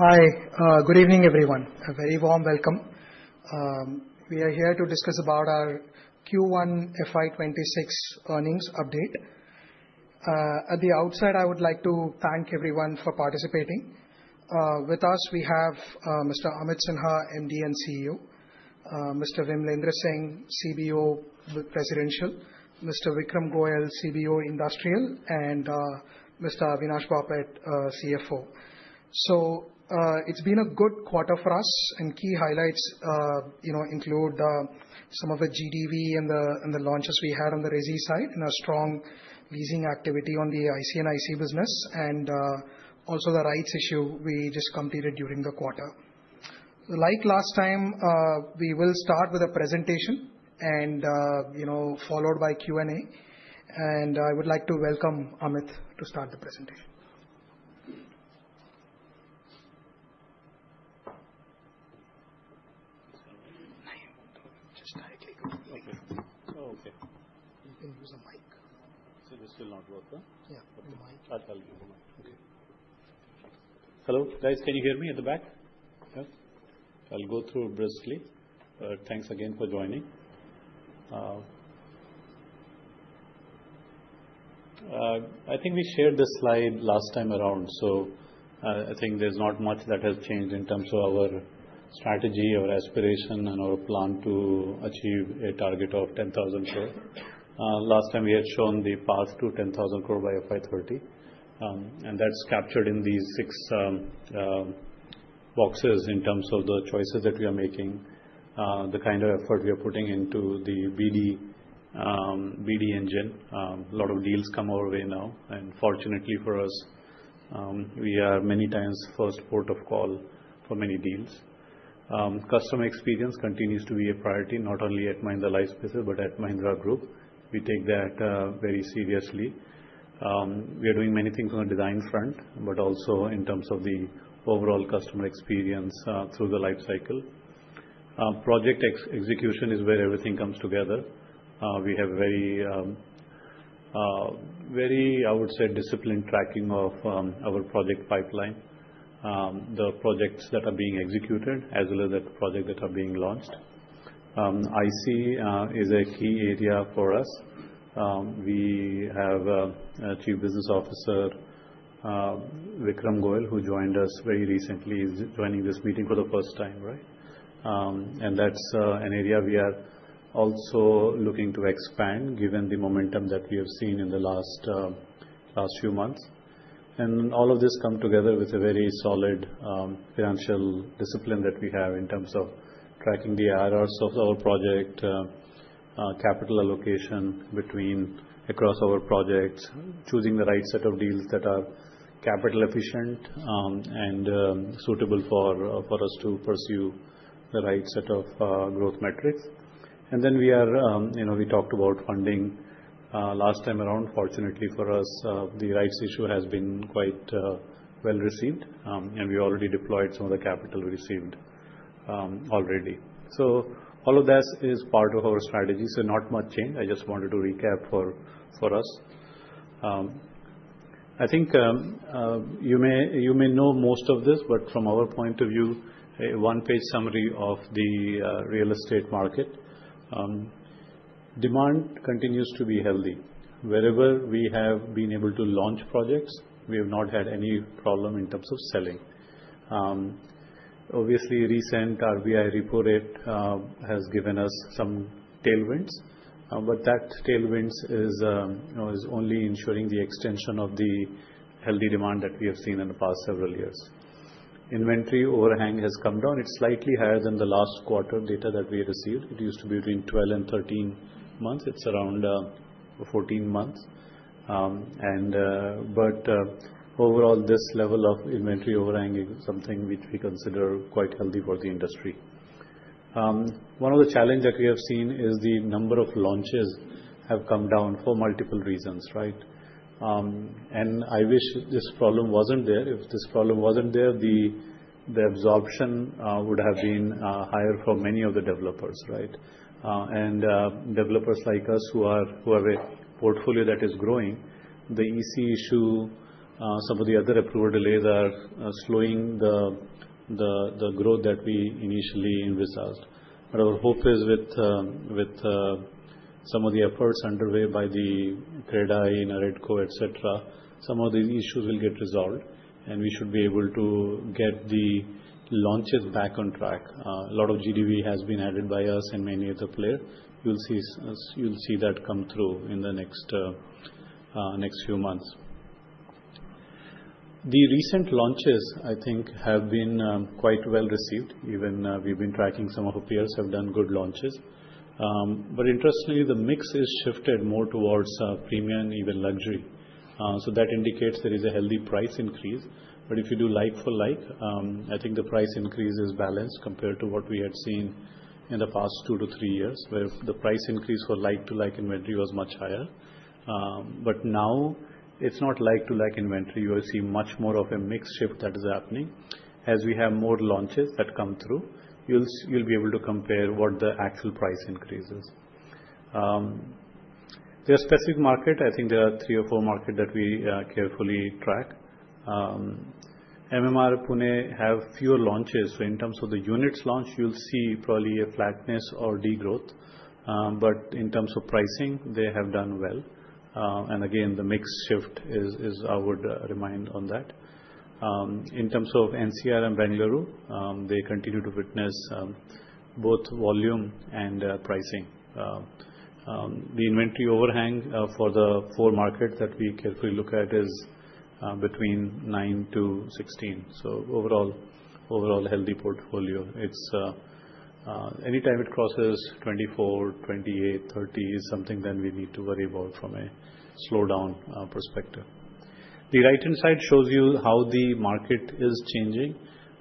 Hi, good evening, everyone. A very warm welcome. We are here to discuss our Q1 FY 2026 earnings update. At the outset, I would like to thank everyone for participating. With us, we have Mr. Amit Sinha, MD and CEO; Mr. Vimalendra Singh, CBO, Residential; Mr. Vikram Goel, CBO, Industrial; and Mr. Avinash Bapat, CFO. So, it's been a good quarter for us, and key highlights include some of the GDV and the launches we had on the Resi side, and our strong leasing activity on the IC and IC business, and also the rights issue we just completed during the quarter. Like last time, we will start with a presentation and followed by Q&A, and I would like to welcome Amit to start the presentation. Just directly going to the mic. So this will not work, huh? Yeah, with the mic. I'll help you with the mic. Okay. Hello, guys, can you hear me at the back? Yes? I'll go through it briefly. Thanks again for joining. I think we shared this slide last time around, so I think there's not much that has changed in terms of our strategy, our aspiration, and our plan to achieve a target of 10,000 crore. Last time, we had shown the path to 10,000 crore by FY 2030, and that's captured in these six boxes in terms of the choices that we are making, the kind of effort we are putting into the BD engine. A lot of deals come our way now, and fortunately for us, we are many times first port of call for many deals. Customer experience continues to be a priority, not only at Mahindra Lifespace, but at Mahindra Group. We take that very seriously. We are doing many things on the design front, but also in terms of the overall customer experience through the lifecycle. Project execution is where everything comes together. We have very, I would say, disciplined tracking of our project pipeline, the projects that are being executed, as well as the projects that are being launched. IC is a key area for us. We have Chief Business Officer, Vikram Goel, who joined us very recently, joining this meeting for the first time, right? And that's an area we are also looking to expand, given the momentum that we have seen in the last few months. All of this comes together with a very solid financial discipline that we have in terms of tracking the IRRs of our project, capital allocation across our projects, choosing the right set of deals that are capital-efficient and suitable for us to pursue the right set of growth metrics. Then we talked about funding last time around. Fortunately for us, the rights issue has been quite well received, and we already deployed some of the capital we received already. All of that is part of our strategy, so not much change. I just wanted to recap for us. I think you may know most of this, but from our point of view, a one-page summary of the real estate market. Demand continues to be healthy. Wherever we have been able to launch projects, we have not had any problem in terms of selling. Obviously, recent RBI repo rate has given us some tailwinds, but that tailwind is only ensuring the extension of the healthy demand that we have seen in the past several years. Inventory overhang has come down. It's slightly higher than the last quarter data that we received. It used to be between 12 and 13 months. It's around 14 months. But overall, this level of inventory overhang is something which we consider quite healthy for the industry. One of the challenges that we have seen is the number of launches has come down for multiple reasons, right? And I wish this problem wasn't there. If this problem wasn't there, the absorption would have been higher for many of the developers, right? And developers like us, who have a portfolio that is growing, the EC issue, some of the other approval delays are slowing the growth that we initially envisaged. But our hope is, with some of the efforts underway by the CREDAI and NAREDCO, etc., some of these issues will get resolved, and we should be able to get the launches back on track. A lot of GDV has been added by us and many other players. You'll see that come through in the next few months. The recent launches, I think, have been quite well received. Even we've been tracking some of our peers who have done good launches. But interestingly, the mix has shifted more towards premium, even luxury. So that indicates there is a healthy price increase. But if you do like-for-like, I think the price increase is balanced compared to what we had seen in the past two to three years, where the price increase for like-to-like inventory was much higher. But now, it's not like-to-like inventory. You will see much more of a mix shift that is happening. As we have more launches that come through, you'll be able to compare what the actual price increase is. There are specific markets. I think there are three or four markets that we carefully track. MMR, Pune has fewer launches. So in terms of the units launched, you'll see probably a flatness or degrowth. But in terms of pricing, they have done well. And again, the mix shift is our reminder on that. In terms of NCR and Bengaluru, they continue to witness both volume and pricing. The inventory overhang for the four markets that we carefully look at is between nine to 16. So overall, healthy portfolio. Anytime it crosses 24, 28, 30 is something then we need to worry about from a slowdown perspective. The right-hand side shows you how the market is changing.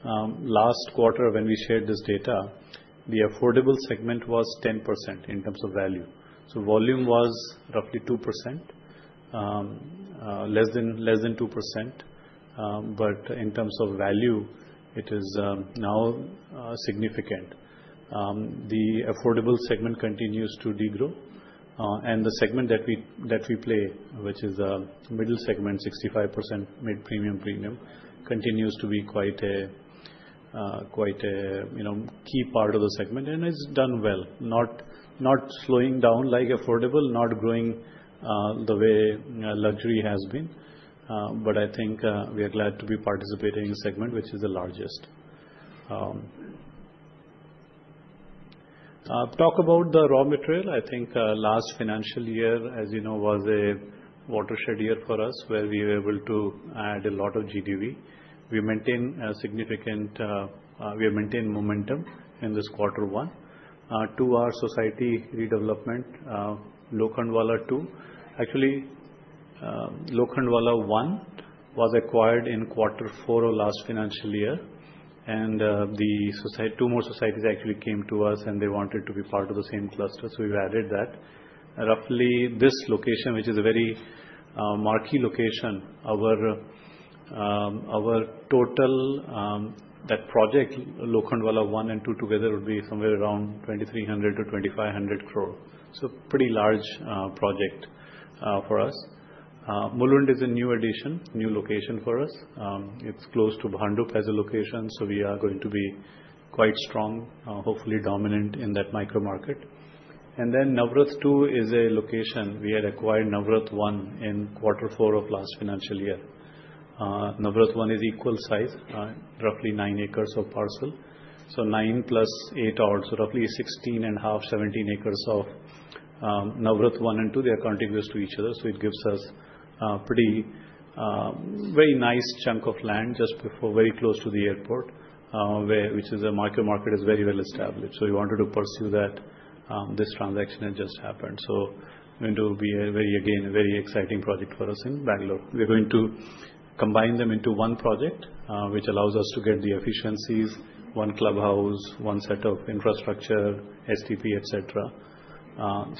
Last quarter, when we shared this data, the affordable segment was 10% in terms of value. So volume was roughly 2%, less than 2%. But in terms of value, it is now significant. The affordable segment continues to degrow, and the segment that we play, which is the middle segment, 65% mid-premium, premium, continues to be quite a key part of the segment and has done well, not slowing down like affordable, not growing the way luxury has been. But I think we are glad to be participating in the segment, which is the largest. Talk about the raw material. I think last financial year, as you know, was a watershed year for us, where we were able to add a lot of GDV. We maintained significant momentum in this quarter one. Two are society redevelopment, Lokhandwala Two. Actu ally, Lokhandwala One was acquired in quarter four of last financial year, and two more societies actually came to us, and they wanted to be part of the same cluster, so we've added that. Roughly, this location, which is a very marquee location, our total project, Lokhandwala One and Two together, would be somewhere around 2,300 crore-2,500 crore. So pretty large project for us. Mulund is a new addition, new location for us. It's close to Bhandup as a location, so we are going to be quite strong, hopefully dominant in that micro-market. And then Navarathna Two is a location. We had acquired Navarathna One in quarter four of last financial year. Navarathna One is equal size, roughly nine acres of parcel. So, nine plus eight add, so roughly 16 and a half, 17 acres of Navarathna One and Two. They are contiguous to each other, so it gives us a very nice chunk of land just very close to the airport, which is a micro-market that is very well established. So we wanted to pursue that. This transaction had just happened. So, it will be again a very exciting project for us in Bengaluru. We're going to combine them into one project, which allows us to get the efficiencies, one clubhouse, one set of infrastructure, STP, etc.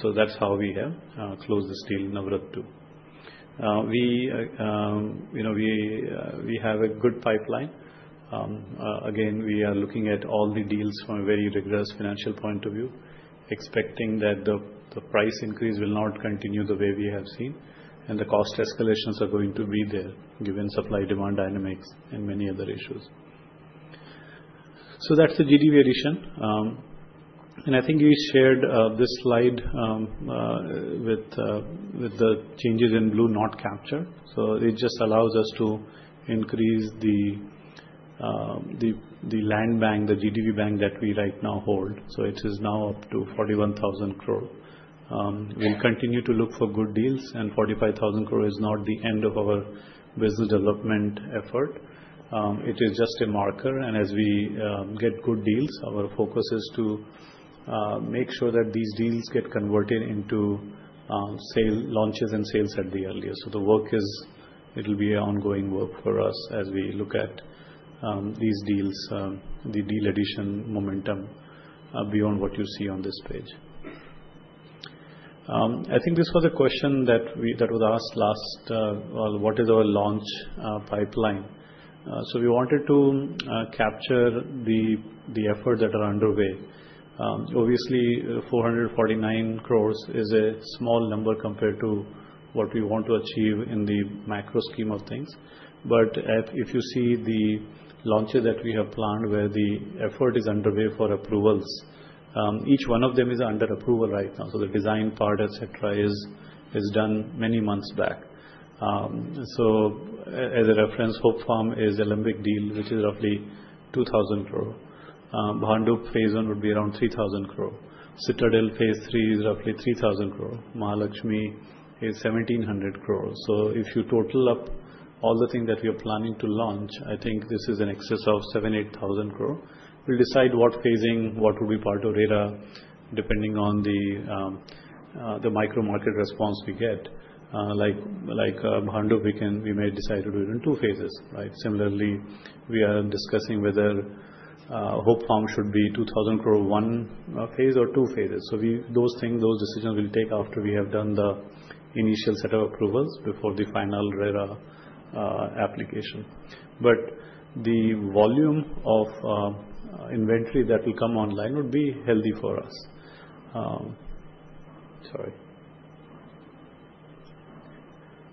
So that's how we have closed the deal in Navarathna Two. We have a good pipeline. Again, we are looking at all the deals from a very rigorous financial point of view, expecting that the price increase will not continue the way we have seen, and the cost escalations are going to be there, given supply-demand dynamics and many other issues. So that's the GDV addition. I think you shared this slide with the changes in blue not captured. So it just allows us to increase the land bank, the GDV bank that we right now hold. So, it is now up to 41,000 crore. We'll continue to look for good deals, and 45,000 crore is not the end of our business development effort. It is just a marker, and as we get good deals, our focus is to make sure that these deals get converted into launches and sales at the earliest. So, the work is, it'll be ongoing work for us as we look at these deals, the deal addition momentum beyond what you see on this page. I think this was a question that was asked last, "What is our launch pipeline?" So, we wanted to capture the efforts that are underway. Obviously, 449 crores is a small number compared to what we want to achieve in the macro scheme of things. But if you see the launches that we have planned, where the effort is underway for approvals, each one of them is under approval right now. So, the design part, etc., is done many months back. So as a reference, Hope Farm is the Alembic deal, which is roughly 2,000 crore. Bhandup Phase One would be around 3,000 crore. Citadel Phase Three is roughly 3,000 crore. Mahalakshmi is 1,700 crores. So, if you total up all the things that we are planning to launch, I think this is in excess of 7,000 crore, 8,000 crore. We'll decide what phasing, what will be part of RERA, depending on the micro-market response we get. Like Bhandup, we may decide to do it in two phases, right? Similarly, we are discussing whether Hope Farm should be 2,000 crore one phase or two phases. So those decisions we'll take after we have done the initial set of approvals before the final RERA application. But the volume of inventory that will come online would be healthy for us. Sorry.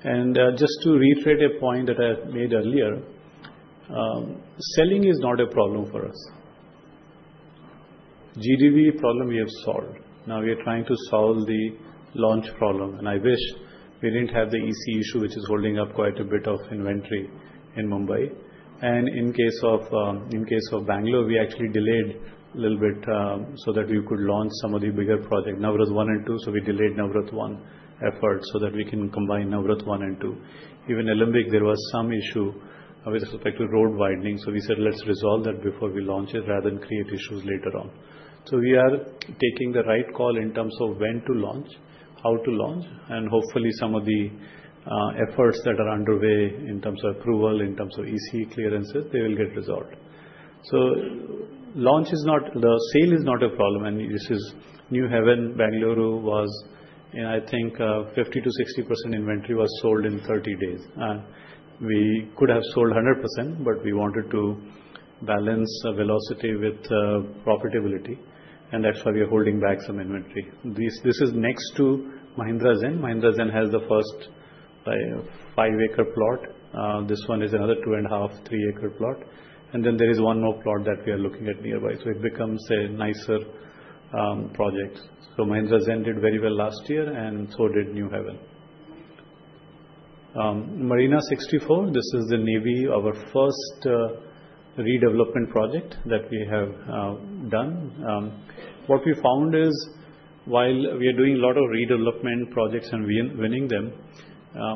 And just to reiterate a point that I had made earlier, selling is not a problem for us. GDV problem we have solved. Now we are trying to solve the launch problem, and I wish we didn't have the EC issue, which is holding up quite a bit of inventory in Mumbai. And in case of Bangalore, we actually delayed a little bit so that we could launch some of the bigger projects, Navarathna One and Two. So, we delayed Navarathna One effort so that we can combine Navarathna One and Two. Even Alembic, there was some issue with respect to road widening, so we said, "Let's resolve that before we launch it rather than create issues later on." So we are taking the right call in terms of when to launch, how to launch, and hopefully some of the efforts that are underway in terms of approval, in terms of EC clearances, they will get resolved. So launch is not the sale is not a problem, and this is NewHaven. Bengaluru was, I think, 50%-60% inventory was sold in 30 days. We could have sold 100%, but we wanted to balance velocity with profitability, and that's why we are holding back some inventory. This is next to Mahindra Zen. Mahindra Zen has the first five-acre plot. This one is another two and a half, three-acre plot. There is one more plot that we are looking at nearby. It becomes a nicer project. Mahindra Zen did very well last year, and so did NewHaven. Marina64, this is the Navy, our first redevelopment project that we have done. What we found is, while we are doing a lot of redevelopment projects and winning them,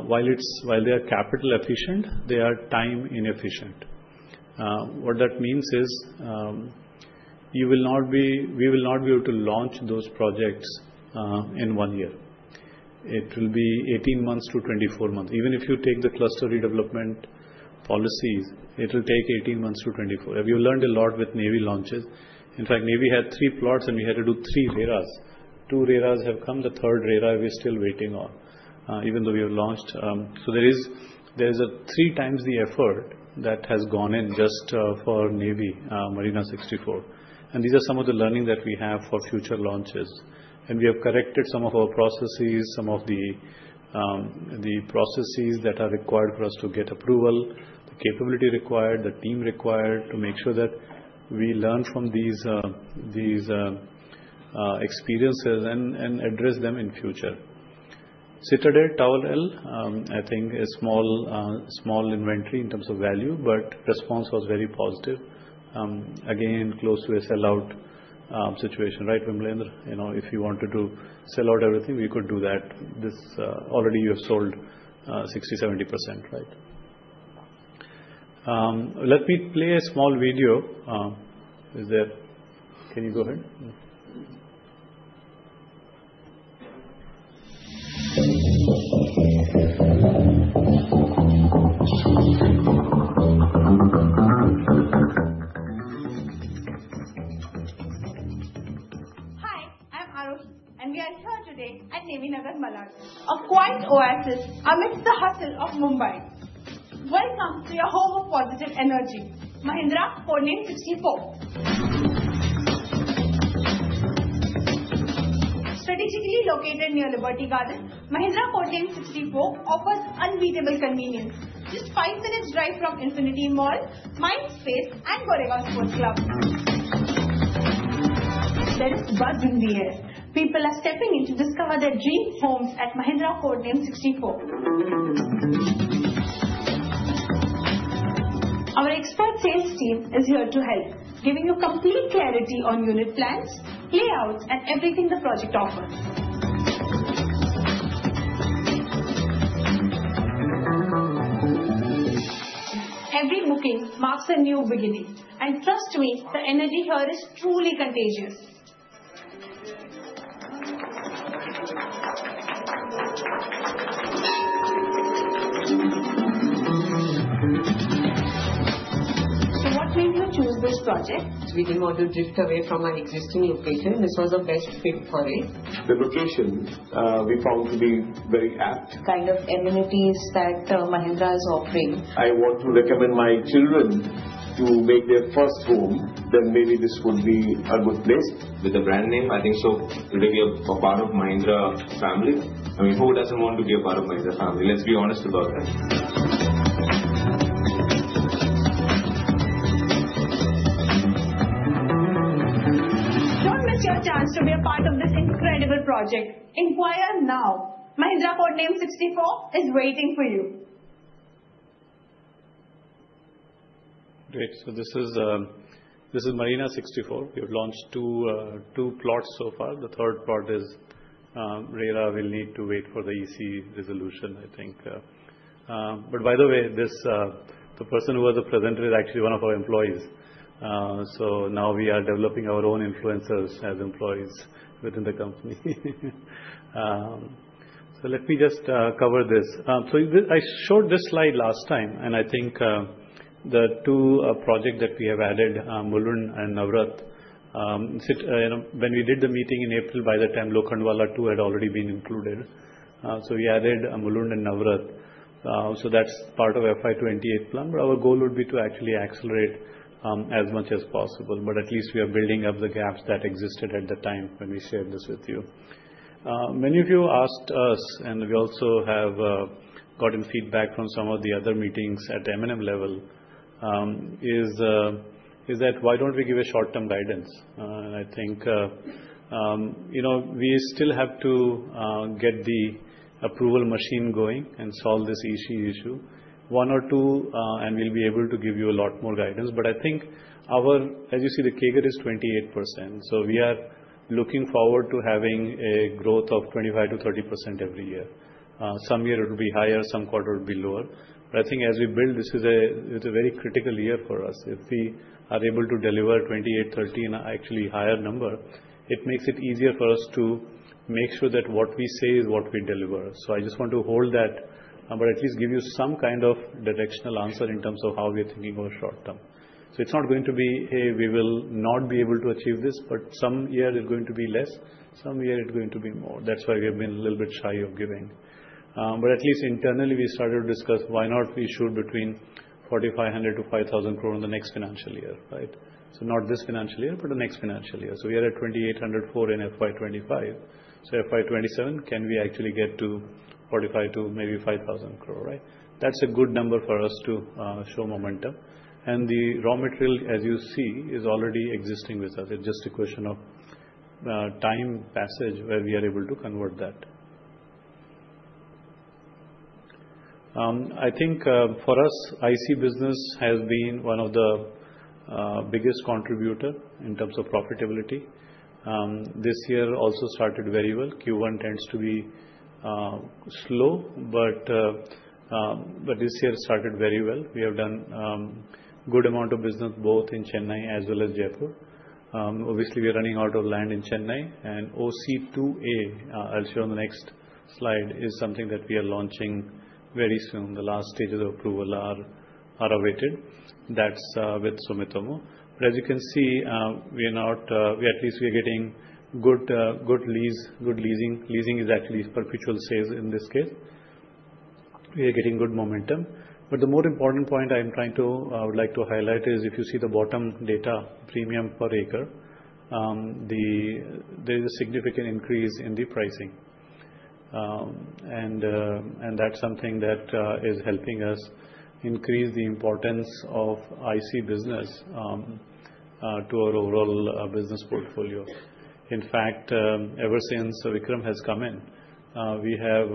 while they are capital efficient, they are time inefficient. What that means is we will not be able to launch those projects in one year. It will be 18-24 months. Even if you take the cluster redevelopment policies, it will take 18-24 months. We have learned a lot with Navy launches. In fact, Navy had three plots, and we had to do three RERAs. Two RERAs have come. The third RERA we're still waiting on, even though we have launched. So there is three times the effort that has gone in just for Navy, Marina64. And these are some of the learnings that we have for future launches. And we have corrected some of our processes, some of the processes that are required for us to get approval, the capability required, the team required to make sure that we learn from these experiences and address them in future. Citadel, Tower L, I think, is small inventory in terms of value, but response was very positive. Again, close to a sell-out situation, right, Vimalendra? If you wanted to sell out everything, we could do that. Already, you have sold 60%-70%, right? Let me play a small video. Is there? Can you go ahead? Hi, I'm Aarush, and we are here today at Navy Nagar, Malad. A quiet oasis amidst the hustle of Mumbai. Welcome to your home of positive energy, Mahindra Vista. Strategically located near Liberty Garden, Mahindra Codename 64 offers unbeatable convenience. Just five minutes' drive from Infiniti Mall, Mindspace, and Goregaon Sports Club. There is buzz in the air. People are stepping in to discover their dream homes at Mahindra Codename 64. Our expert sales team is here to help, giving you complete clarity on unit plans, layouts, and everything the project offers. Every booking marks a new beginning. And trust me, the energy here is truly contagious. So, what made you choose this project? We didn't want to drift away from our existing location. This was a best fit for it. The location we found to be very apt. Kind of amenities that Mahindra is offering. I want to recommend my children to make their first home, then maybe this would be a good place. With the brand name, I think so to really be a part of Mahindra family. I mean, who doesn't want to be a part of Mahindra family? Let's be honest about that. Don't miss your chance to be a part of this incredible project. Inquire now. Mahindra Codename 64 is waiting for you. Great. So this is Mahindra 64. We have launched two plots so far. The third plot is RERA. We'll need to wait for the EC resolution, I think. But by the way, the person who was a presenter is actually one of our employees. So now we are developing our own influencers as employees within the company. So let me just cover this. So I showed this slide last time, and I think the two projects that we have added, Mulund and Navarathna, when we did the meeting in April, by the time Lokhandwala Two had already been included. So we added Mulund and Navarathna. So that's part of FY 2028 plan. But our goal would be to actually accelerate as much as possible. But at least we are building up the gaps that existed at the time when we shared this with you. Many of you asked us, and we also have gotten feedback from some of the other meetings at M&M level, is that why don't we give a short-term guidance? And I think we still have to get the approval machine going and solve this EC issue. One or two, and we'll be able to give you a lot more guidance. But I think our, as you see, the CAGR is 28%. So we are looking forward to having a growth of 25%-30% every year. Some year it will be higher, some quarter it will be lower. But I think as we build, this is a very critical year for us. If we are able to deliver 28, 30, and actually higher number, it makes it easier for us to make sure that what we say is what we deliver. So I just want to hold that, but at least give you some kind of directional answer in terms of how we are thinking of a short-term. So it's not going to be, "Hey, we will not be able to achieve this," but some year it's going to be less, some year it's going to be more. That's why we have been a little bit shy of giving. But at least internally, we started to discuss why not we shoot between 4,500 crore-5,000 crore in the next financial year, right? So not this financial year, but the next financial year. So, we are at 2,804 in FY 2025. So, FY 2027, can we actually get to 4,500 crore to maybe 5,000 crore, right? That's a good number for us to show momentum. And the raw material, as you see, is already existing with us. It's just a question of time passage where we are able to convert that. I think for us, IC business has been one of the biggest contributors in terms of profitability. This year also started very well. Q1 tends to be slow, but this year started very well. We have done a good amount of business both in Chennai as well as Jaipur. Obviously, we are running out of land in Chennai. OC2A, I'll show you on the next slide, is something that we are launching very soon. The last stages of approval are awaited. That's with Sumitomo. But as you can see, we are not, at least we are getting good lease. Leasing is actually perpetual sales in this case. We are getting good momentum. But the more important point I would like to highlight is if you see the bottom data, premium per acre, there is a significant increase in the pricing. And that's something that is helping us increase the importance of IC business to our overall business portfolio. In fact, ever since Vikram has come in, we have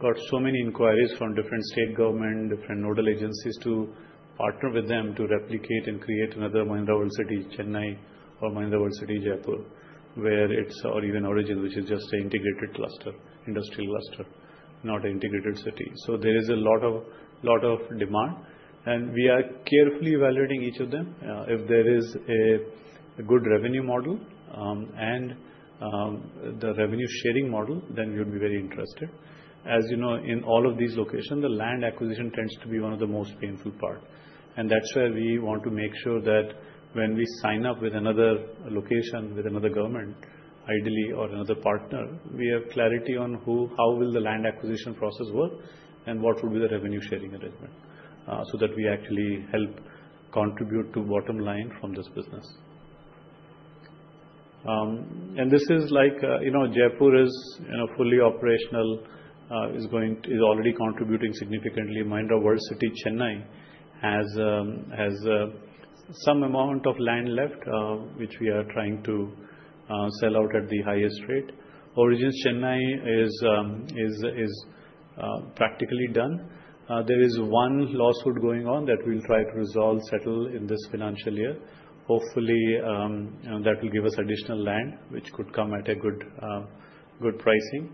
got so many inquiries from different state government, different nodal agencies to partner with them to replicate and create another Mahindra World City, Chennai or Mahindra World City, Jaipur, whether it's or even Origins, which is just an integrated cluster, industrial cluster, not an integrated city. So there is a lot of demand. And we are carefully evaluating each of them. If there is a good revenue model and the revenue sharing model, then we would be very interested. As you know, in all of these locations, the land acquisition tends to be one of the most painful parts. And that's where we want to make sure that when we sign up with another location, with another government, ideally, or another partner, we have clarity on how will the land acquisition process work and what would be the revenue sharing arrangement so that we actually help contribute to bottom line from this business. And this is like Jaipur is fully operational, is already contributing significantly. Mahindra World City, Chennai has some amount of land left, which we are trying to sell out at the highest rate. Origins, Chennai is practically done. There is one lawsuit going on that we'll try to resolve, settle in this financial year. Hopefully, that will give us additional land, which could come at a good pricing.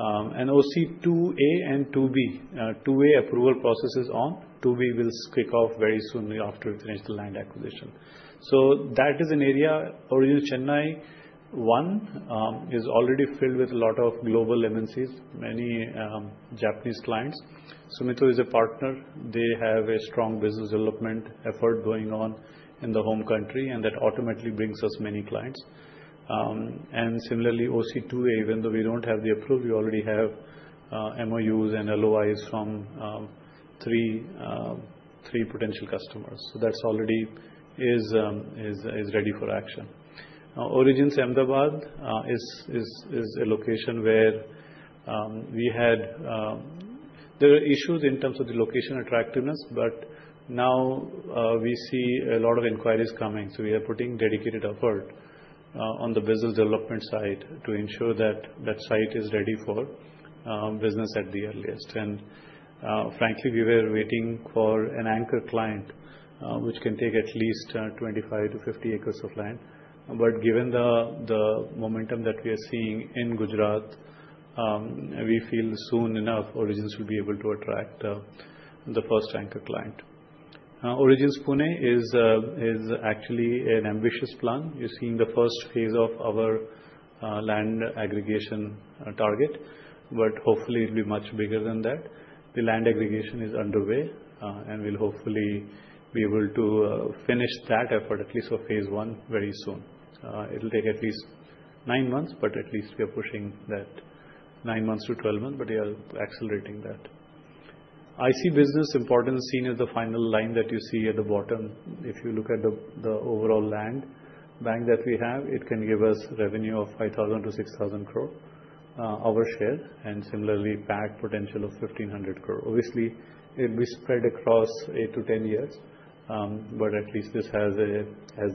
And OC2A and 2B. 2A approval process is on. 2B will kick-off very soon after we finish the land acquisition. So that is an area. Origins, Chennai One is already filled with a lot of global MNCs, many Japanese clients. Sumitomo is a partner. They have a strong business development effort going on in the home country, and that automatically brings us many clients. And similarly, OC2A, even though we don't have the approval, we already have MOUs and LOIs from three potential customers. So that already is ready for action. Origins, Ahmedabad is a location where we had, there are issues in terms of the location attractiveness, but now we see a lot of inquiries coming. So we are putting dedicated effort on the business development side to ensure that that site is ready for business at the earliest. And frankly, we were waiting for an anchor client, which can take at least 25-50 acres of land. But given the momentum that we are seeing in Gujarat, we feel soon enough Origins will be able to attract the first anchor client. Origins, Pune is actually an ambitious plan. You're seeing the first phase of our land aggregation target, but hopefully, it'll be much bigger than that. The land aggregation is underway, and we'll hopefully be able to finish that effort, at least for phase one, very soon. It'll take at least nine months, but at least we are pushing that nine months to 12 months, but we are accelerating that. IC business importance seen as the final line that you see at the bottom. If you look at the overall land bank that we have, it can give us revenue of 5,000 crore-6,000 crore our share and similarly PAT potential of 1,500 crore. Obviously, it'll be spread across 8 to 10 years, but at least this has the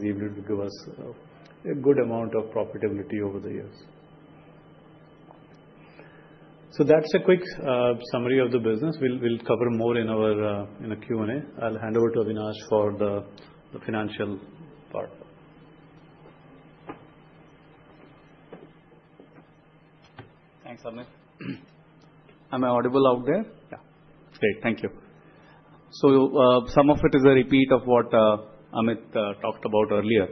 ability to give us a good amount of profitability over the years. So that's a quick summary of the business. We'll cover more in a Q&A. I'll hand over to Avinash for the financial part. Thanks, Amit. Am I audible out there? Yeah. Great. Thank you. So some of it is a repeat of what Amit talked about earlier.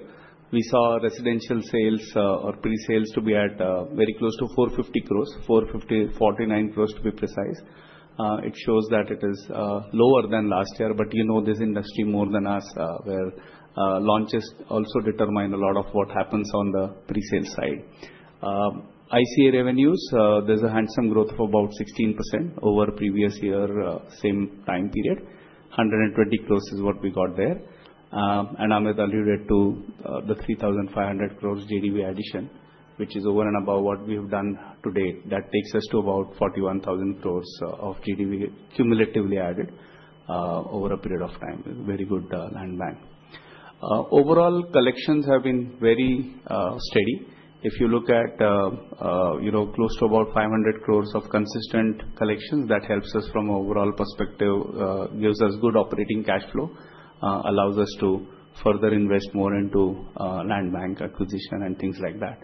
We saw residential sales or pre-sales to be at very close to 450.49 crore to be precise. It shows that it is lower than last year, but you know this industry more than us where launches also determine a lot of what happens on the pre-sale side. ICA revenues, there's a handsome growth of about 16% over previous year, same time period. 120 crore is what we got there. Amit alluded to the 3,500 crores GDV addition, which is over and above what we have done to date. That takes us to about 41,000 crores of GDV cumulatively added over a period of time. Very good land bank. Overall, collections have been very steady. If you look at close to about 500 crores of consistent collections, that helps us from an overall perspective, gives us good operating cash flow, allows us to further invest more into land bank acquisition and things like that.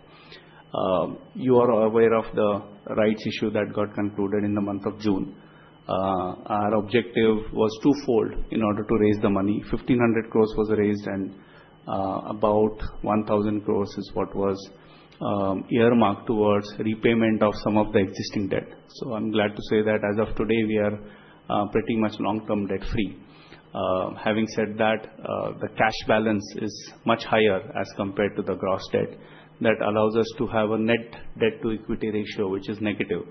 You are aware of the rights issue that got concluded in the month of June. Our objective was twofold in order to raise the money. 1,500 crores was raised, and about 1,000 crores is what was earmarked towards repayment of some of the existing debt. So, I'm glad to say that as of today, we are pretty much long-term debt-free. Having said that, the cash balance is much higher as compared to the gross debt. That allows us to have a net debt-to-equity ratio, which is negative.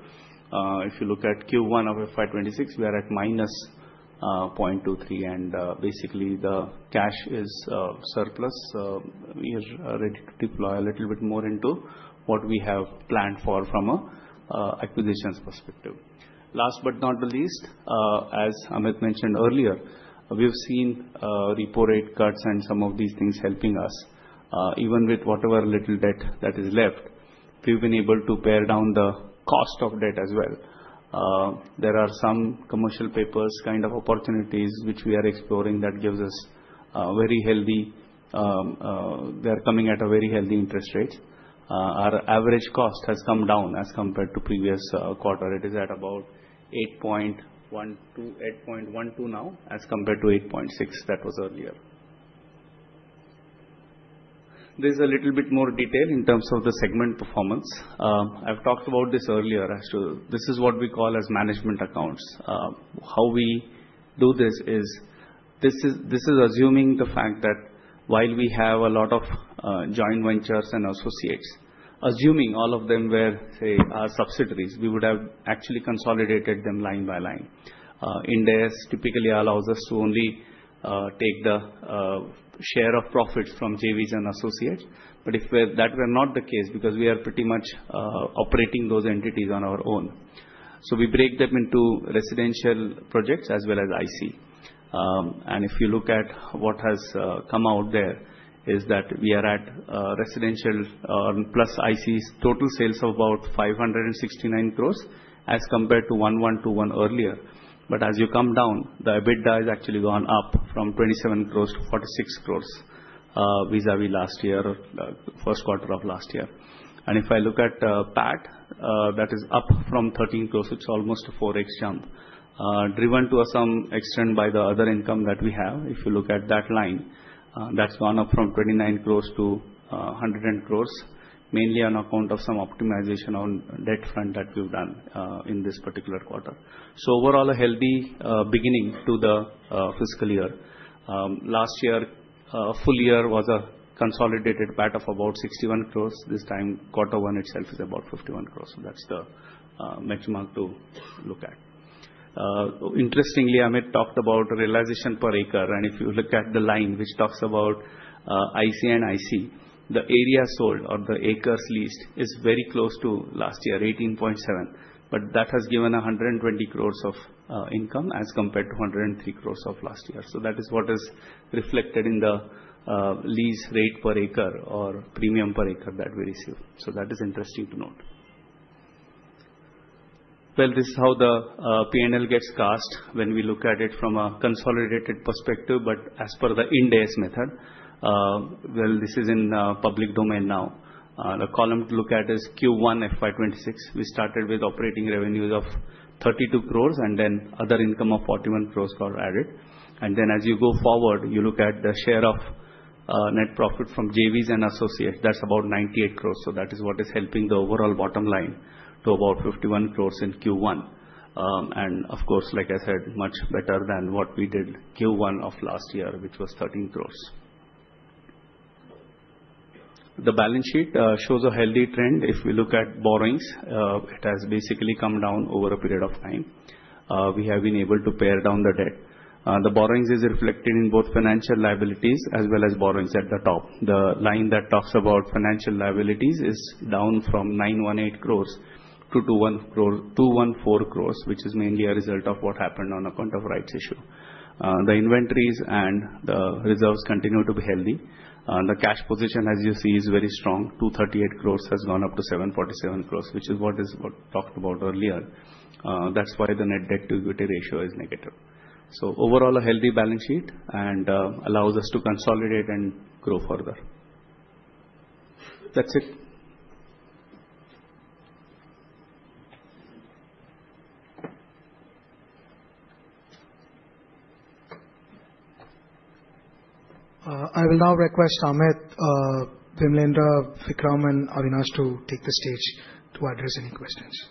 If you look at Q1 of FY 2026, we are at -0.23, and basically, the cash is surplus. We are ready to deploy a little bit more into what we have planned for from an acquisitions perspective. Last but not the least, as Amit mentioned earlier, we've seen repo rate cuts and some of these things helping us. Even with whatever little debt that is left, we've been able to pare down the cost of debt as well. There are some commercial papers, kind of opportunities, which we are exploring that gives us very healthy they are coming at a very healthy interest rate. Our average cost has come down as compared to previous quarter. It is at about 8.12, 8.12 now as compared to 8.6 that was earlier. There's a little bit more detail in terms of the segment performance. I've talked about this earlier. This is what we call as management accounts. How we do this is this is assuming the fact that while we have a lot of joint ventures and associates, assuming all of them were, say, our subsidiaries, we would have actually consolidated them line by line. Ind AS typically allows us to only take the share of profits from JVs and associates. But if that were not the case, because we are pretty much operating those entities on our own. So we break them into residential projects as well as IC. And if you look at what has come out there, is that we are at residential plus IC's total sales of about 569 crores as compared to 1,121 crore earlier. But as you come down, the EBITDA has actually gone up from 27 crores-46 crores vis-à-vis last year, first quarter of last year. And if I look at PAT, that is up from 13 crores. It's almost a 4X jump, driven to some extent by the other income that we have. If you look at that line, that's gone up from 29 crores-100 crores, mainly on account of some optimization on debt front that we've done in this particular quarter. So overall, a healthy beginning to the fiscal year. Last year, full year was a consolidated PAT of about 61 crores. This time, quarter one itself is about 51 crores. So that's the benchmark to look at. Interestingly, Amit talked about realization per acre. If you look at the line, which talks about IC and IC, the area sold or the acres leased is very close to last year, 18.7. That has given 120 crore of income as compared to 103 crore of last year. That is what is reflected in the lease rate per acre or premium per acre that we receive. That is interesting to note. This is how the P&L gets cast when we look at it from a consolidated perspective. As per the Ind AS method, well, this is in public domain now. The column to look at is Q1 FY 2026. We started with operating revenues of 32 crore and then other income of 41 crore added. As you go forward, you look at the share of net profit from JVs and associates, that's about 98 crore. That is what is helping the overall bottom line to about 51 crores in Q1. Of course, like I said, much better than what we did Q1 of last year, which was 13 crores. The balance sheet shows a healthy trend. If we look at borrowings, it has basically come down over a period of time. We have been able to pare down the debt. The borrowings are reflected in both financial liabilities as well as borrowings at the top. The line that talks about financial liabilities is down from 918 crores to 214 crores, which is mainly a result of what happened on account of rights issue. The inventories and the reserves continue to be healthy. The cash position, as you see, is very strong. 238 crores has gone up to 747 crores, which is what talked about earlier. That's why the net debt-to-equity ratio is negative. So overall, a healthy balance sheet allows us to consolidate and grow further. That's it. I will now request Amit, Vimalendra, Vikram, and Avinash to take the stage to address any questions.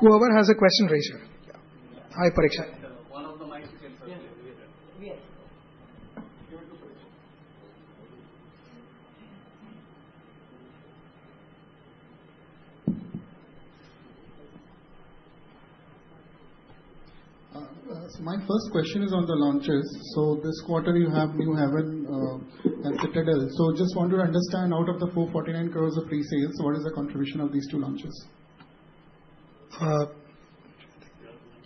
Hi. Yeah. Whoever has a question, raise your hand. Hi, Parikshit. One of the mics. Yes. My first question is on the launches. This quarter, you have NewHaven and Citadel. Just wanted to understand, out of the 449 crores of pre-sales, what is the contribution of these two launches?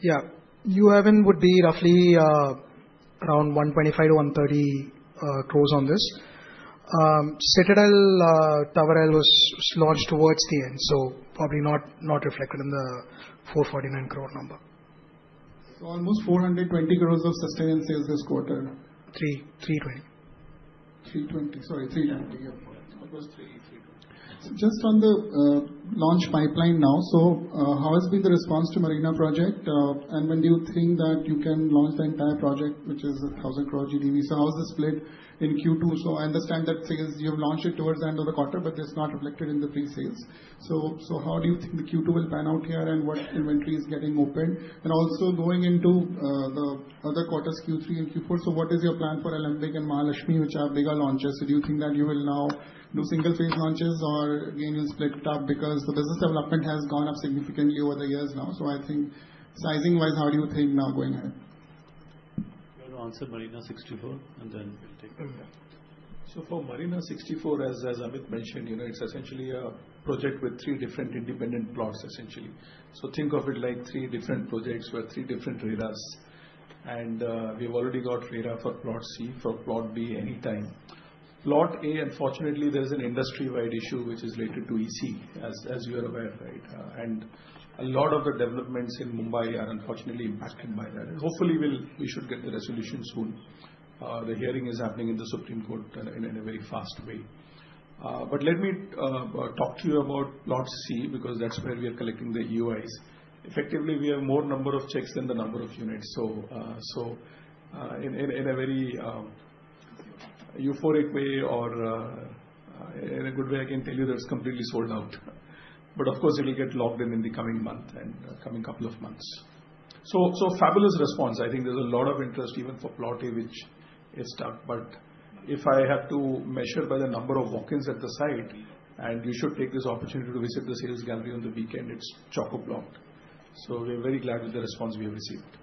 Yeah. New Haven would be roughly around 125 crores-130 crores on this. Citadel Tower L was launched towards the end, so probably not reflected in the 449 crore number. Almost 420 crores of sustained sales this quarter? 320. 320. Sorry. 320. Yeah. Almost 320. Just on the launch pipeline now, how has been the response to Marina project? And when do you think that you can launch the entire project, which is 1,000 crore GDV? How is the split in Q2? I understand that sales, you've launched it towards the end of the quarter, but it's not reflected in the pre-sales. How do you think the Q2 will pan out here and what inventory is getting opened? Also going into the other quarters, Q3 and Q4, what is your plan for Alembic and Mahalakshmi, which are bigger launches? Do you think that you will now do single-phase launches or again, you'll split it up because the business development has gone up significantly over the years now? I think sizing-wise, how do you think now going ahead? I'll answer Marina64, and then we'll take it. So for Marina64, as Amit mentioned, it's essentially a project with three different independent plots, essentially. So, think of it like three different projects with three different RERAs. And we've already got RERA for Plot C, for Plot B anytime. Plot A, unfortunately, there is an industry-wide issue which is related to EC, as you are aware, right? And a lot of the developments in Mumbai are unfortunately impacted by that. And hopefully, we should get the resolution soon. The hearing is happening in the Supreme Court in a very fast way. But let me talk to you about Plot C because that's where we are collecting the EOIs. Effectively, we have more number of checks than the number of units. So, in a very euphoric way or in a good way, I can tell you that it's completely sold out. But of course, it'll get locked in in the coming month and coming couple of months. So fabulous response. I think there's a lot of interest even for Plot A, which is stuck. But if I have to measure by the number of walk-ins at the site, and you should take this opportunity to visit the sales gallery on the weekend, it's chock-a-block. So we're very glad with the response we have received.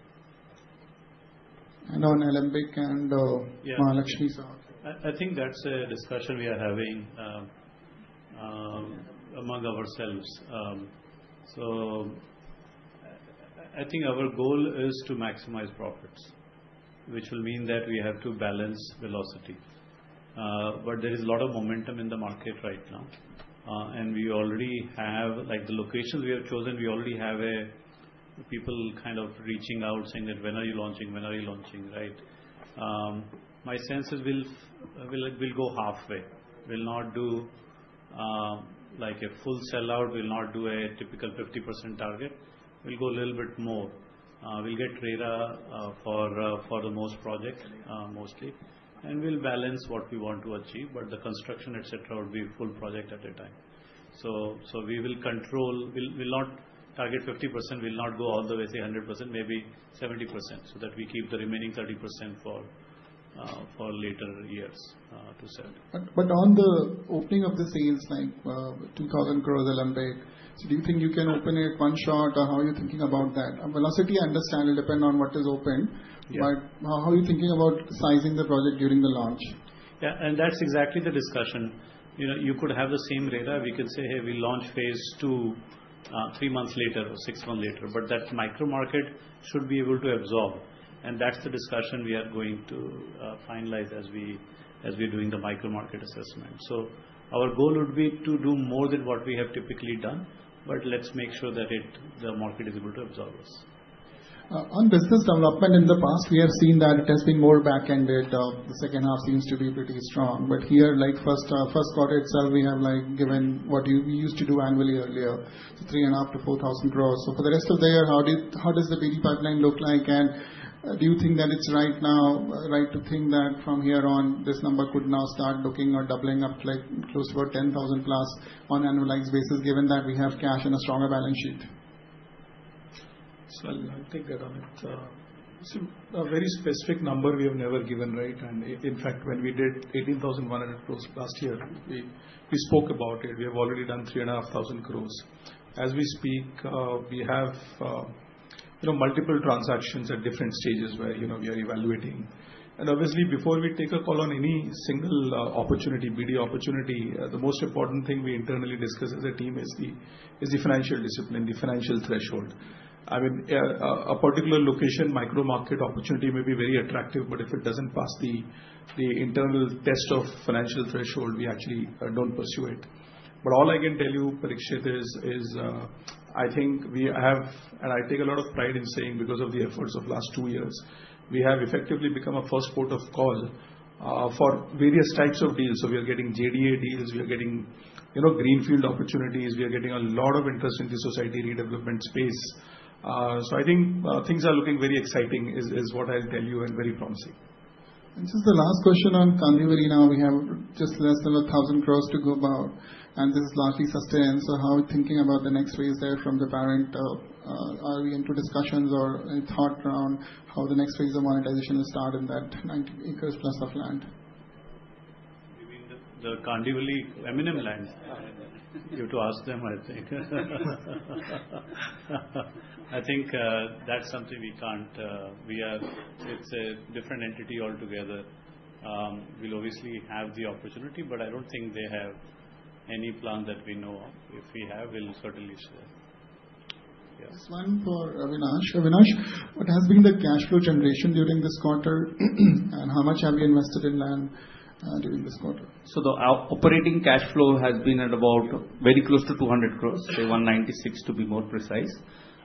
And on Alembic and Mahalakshmi? I think that's a discussion we are having among ourselves. So I think our goal is to maximize profits, which will mean that we have to balance velocity. But there is a lot of momentum in the market right now. And we already have the locations we have chosen, we already have people kind of reaching out saying that, "When are you launching? When are you launching?" Right? My sense is we'll go halfway. We'll not do a full sellout. We'll not do a typical 50% target. We'll go a little bit more. We'll get RERA for the most projects, mostly. And we'll balance what we want to achieve. But the construction, etc., will be full project at a time. So we will control, we'll not target 50%. We'll not go all the way, say, 100%, maybe 70%, so that we keep the remaining 30% for later years to sell. But on the opening of the sales, like 2,000 crores Alembic, so do you think you can open it one shot? How are you thinking about that? Velocity, I understand, will depend on what is open. But how are you thinking about sizing the project during the launch? Yeah. And that's exactly the discussion. You could have the same RERA. We could say, "Hey, we launch phase two three months later or six months later." But that micro market should be able to absorb. And that's the discussion we are going to finalize as we're doing the micro market assessment. So our goal would be to do more than what we have typically done. But let's make sure that the market is able to absorb us. On business development, in the past, we have seen that it has been more back-ended. The second half seems to be pretty strong, but here, like first quarter itself, we have given what you used to do annually earlier, 3,500 crore-4,000 crores. So, for the rest of the year, how does the BD pipeline look like? And do you think that it's right now, right, to think that from here on, this number could now start looking or doubling up close to 10,000 plus on an annualized basis, given that we have cash and a stronger Balance Sheet? I'll take that, Amit. So, a very specific number we have never given, right? And in fact, when we did 18,100 crores last year, we spoke about it. We have already done 3,500 crores. As we speak, we have multiple transactions at different stages where we are evaluating. And obviously, before we take a call on any single opportunity, BD opportunity, the most important thing we internally discuss as a team is the financial discipline, the financial threshold. I mean, a particular location micro market opportunity may be very attractive, but if it doesn't pass the internal test of financial threshold, we actually don't pursue it. But all I can tell you, Parikshit, is I think we have, and I take a lot of pride in saying because of the efforts of last two years, we have effectively become a first port of call for various types of deals. So we are getting JDA deals. We are getting greenfield opportunities. We are getting a lot of interest in the society redevelopment space. So I think things are looking very exciting, is what I'll tell you, and very promising. This is the last question on Kandivali now. We have just less than INR 1,000 crore to go about, and this is largely sustained. How are you thinking about the next phase there from the parent? Are we into discussions or any thought around how the next phase of monetization will start in that 90 acres plus of land? You mean the Kandivali M&M land? You have to ask them, I think. I think that's something we can't. It's a different entity altogether. We'll obviously have the opportunity, but I don't think they have any plan that we know of. If we have, we'll certainly share. Just one for Avinash. Avinash, what has been the cash flow generation during this quarter? And how much have you invested in land during this quarter? So the operating cash flow has been at about very close to 200 crores, say 196 to be more precise.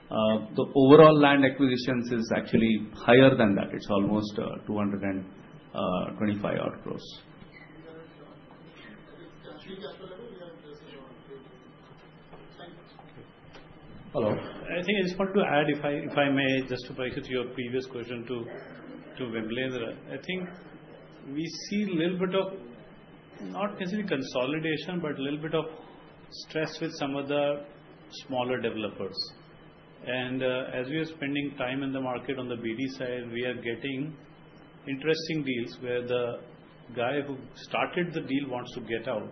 The overall land acquisitions is actually higher than that. It's almost 225-odd crores. Thank you. Hello. I think I just wanted to add, if I may, just to parachute your previous question to Vimalendra. I think we see a little bit of not necessarily consolidation, but a little bit of stress with some of the smaller developers. And as we are spending time in the market on the BD side, we are getting interesting deals where the guy who started the deal wants to get out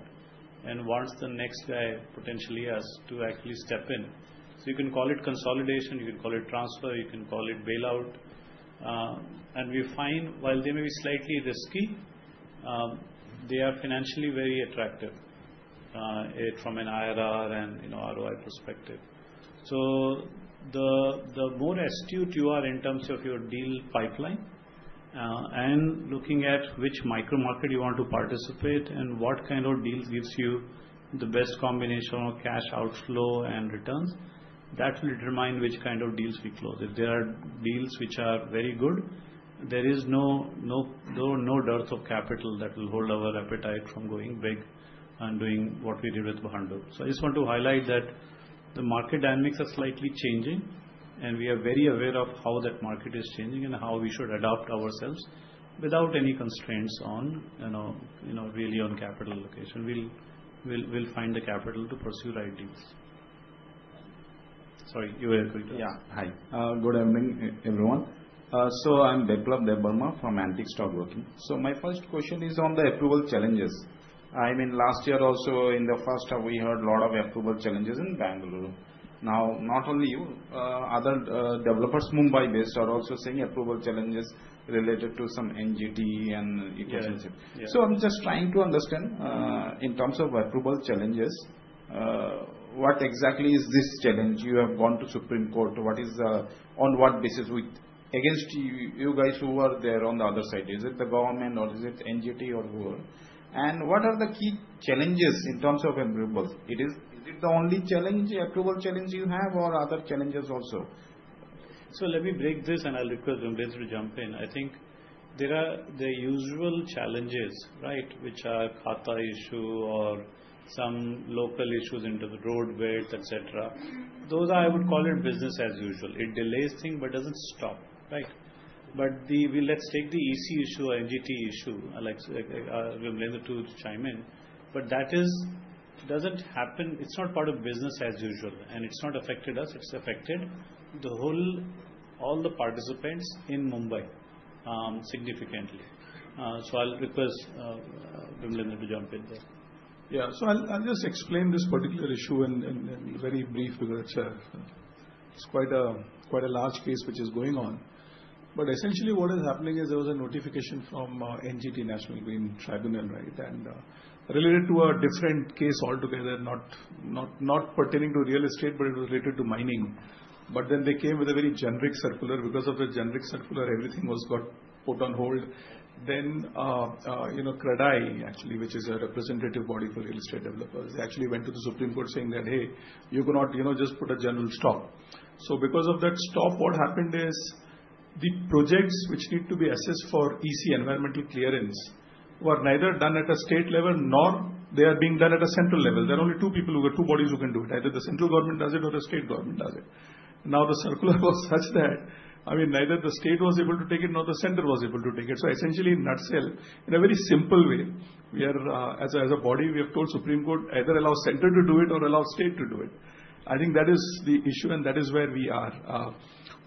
and wants the next guy potentially as to actually step in. So you can call it consolidation. You can call it transfer. You can call it bailout. And we find, while they may be slightly risky, they are financially very attractive from an IRR and ROI perspective. So the more astute you are in terms of your deal pipeline and looking at which micro market you want to participate and what kind of deals gives you the best combination of cash outflow and returns, that will determine which kind of deals we close. If there are deals which are very good, there is no dearth of capital that will hold our appetite from going big and doing what we did with Bhandup. So I just want to highlight that the market dynamics are slightly changing. And we are very aware of how that market is changing and how we should adapt ourselves without any real constraints on capital allocation. We'll find the capital to pursue right deals. Sorry, you were going to ask. Yeah. Hi. Good evening, everyone. So I'm Biplab Debbarma from Antique Stock Broking. So my first question is on the approval challenges. I mean, last year also, in the first half, we heard a lot of approval challenges in Bengaluru. Now, not only you, other developers Mumbai-based are also seeing approval challenges related to some NGT and EC. So I'm just trying to understand in terms of approval challenges, what exactly is this challenge? You have gone to Supreme Court. What is the on what basis against you guys who are there on the other side? Is it the government or is it NGT or who? And what are the key challenges in terms of approvals? Is it the only challenge, approval challenge you have, or are there challenges also? So let me break this, and I'll request Vimalendra to jump in. I think there are the usual challenges, right, which are Khata issue or some local issues into the roadways, etc. Those are, I would call it business as usual. It delays thing but doesn't stop, right? But let's take the EC issue, NGT issue. I'll let Vimalendra to chime in. But that doesn't happen. It's not part of business as usual. And it's not affected us. It's affected all the participants in Mumbai significantly. So I'll request Vimalendra to jump in there. Yeah, so I'll just explain this particular issue in very brief because it's quite a large case which is going on. But essentially, what is happening is there was a notification from NGT, National Green Tribunal, right, and related to a different case altogether, not pertaining to real estate, but it was related to mining. But then they came with a very generic circular. Because of the generic circular, everything was put on hold. Then CREDAI, actually, which is a representative body for real estate developers, actually went to the Supreme Court saying that, "Hey, you cannot just put a general stop." So because of that stop, what happened is the projects which need to be assessed for EC, environmental clearance were neither done at a state level nor they are being done at a central level. There are only two people, two bodies who can do it. Either the central government does it or the state government does it. Now, the circular was such that, I mean, neither the state was able to take it nor the center was able to take it. So essentially, in a very simple way, as a body, we have told Supreme Court either allow center to do it or allow state to do it. I think that is the issue, and that is where we are.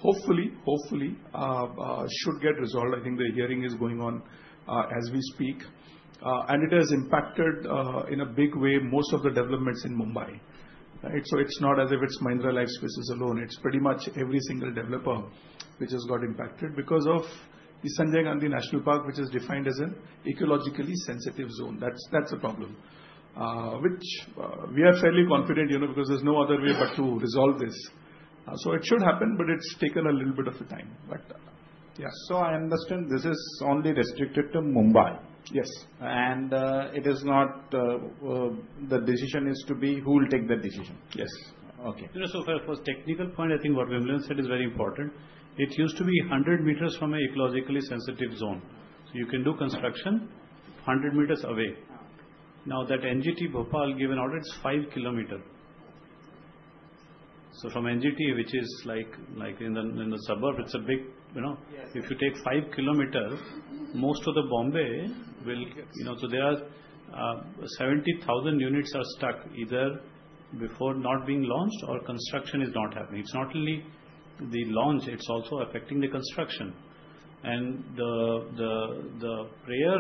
Hopefully, hopefully, should get resolved. I think the hearing is going on as we speak, and it has impacted in a big way most of the developments in Mumbai, right? So it's not as if it's Mahindra Lifespace alone. It's pretty much every single developer which has got impacted because of the Sanjay Gandhi National Park, which is defined as an ecologically sensitive zone. That's the problem, which we are fairly confident because there's no other way but to resolve this. So it should happen, but it's taken a little bit of a time. But yeah. So I understand this is only restricted to Mumbai? Yes. The decision is to be who will take that decision? Yes. Okay. So for a technical point, I think what Vimalendra said is very important. It used to be 100 meters from an ecologically sensitive zone. So you can do construction 100 meters away. Now, that NGT has put out, it's 5 kilometers. So from NGT, which is like in the suburb, it's a big if you take 5 kilometers, most of the Mumbai will so there are 70,000 units are stuck either before not being launched or construction is not happening. It's not only the launch. It's also affecting the construction. And the prayer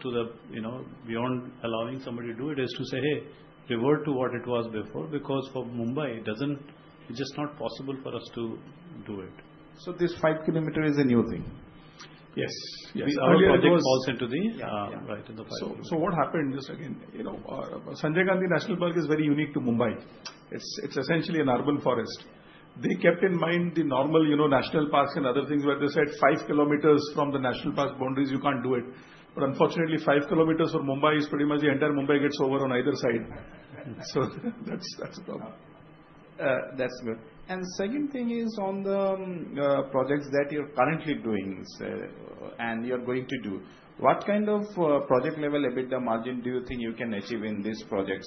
to the bench allowing somebody to do it is to say, "Hey, revert to what it was before," because for Mumbai, it's just not possible for us to do it. So this 5 km is a new thing? Yes. Earlier they called. Because it falls into the right in the five kilometers. So what happened just again? Sanjay Gandhi National Park is very unique to Mumbai. It's essentially an urban forest. They kept in mind the normal national parks and other things where they said five kilometers from the national park boundaries, you can't do it. But unfortunately, five kilometers for Mumbai is pretty much the entire Mumbai gets over on either side. So that's a problem. That's good. And the second thing is on the projects that you're currently doing and you're going to do, what kind of project level EBITDA margin do you think you can achieve in these projects?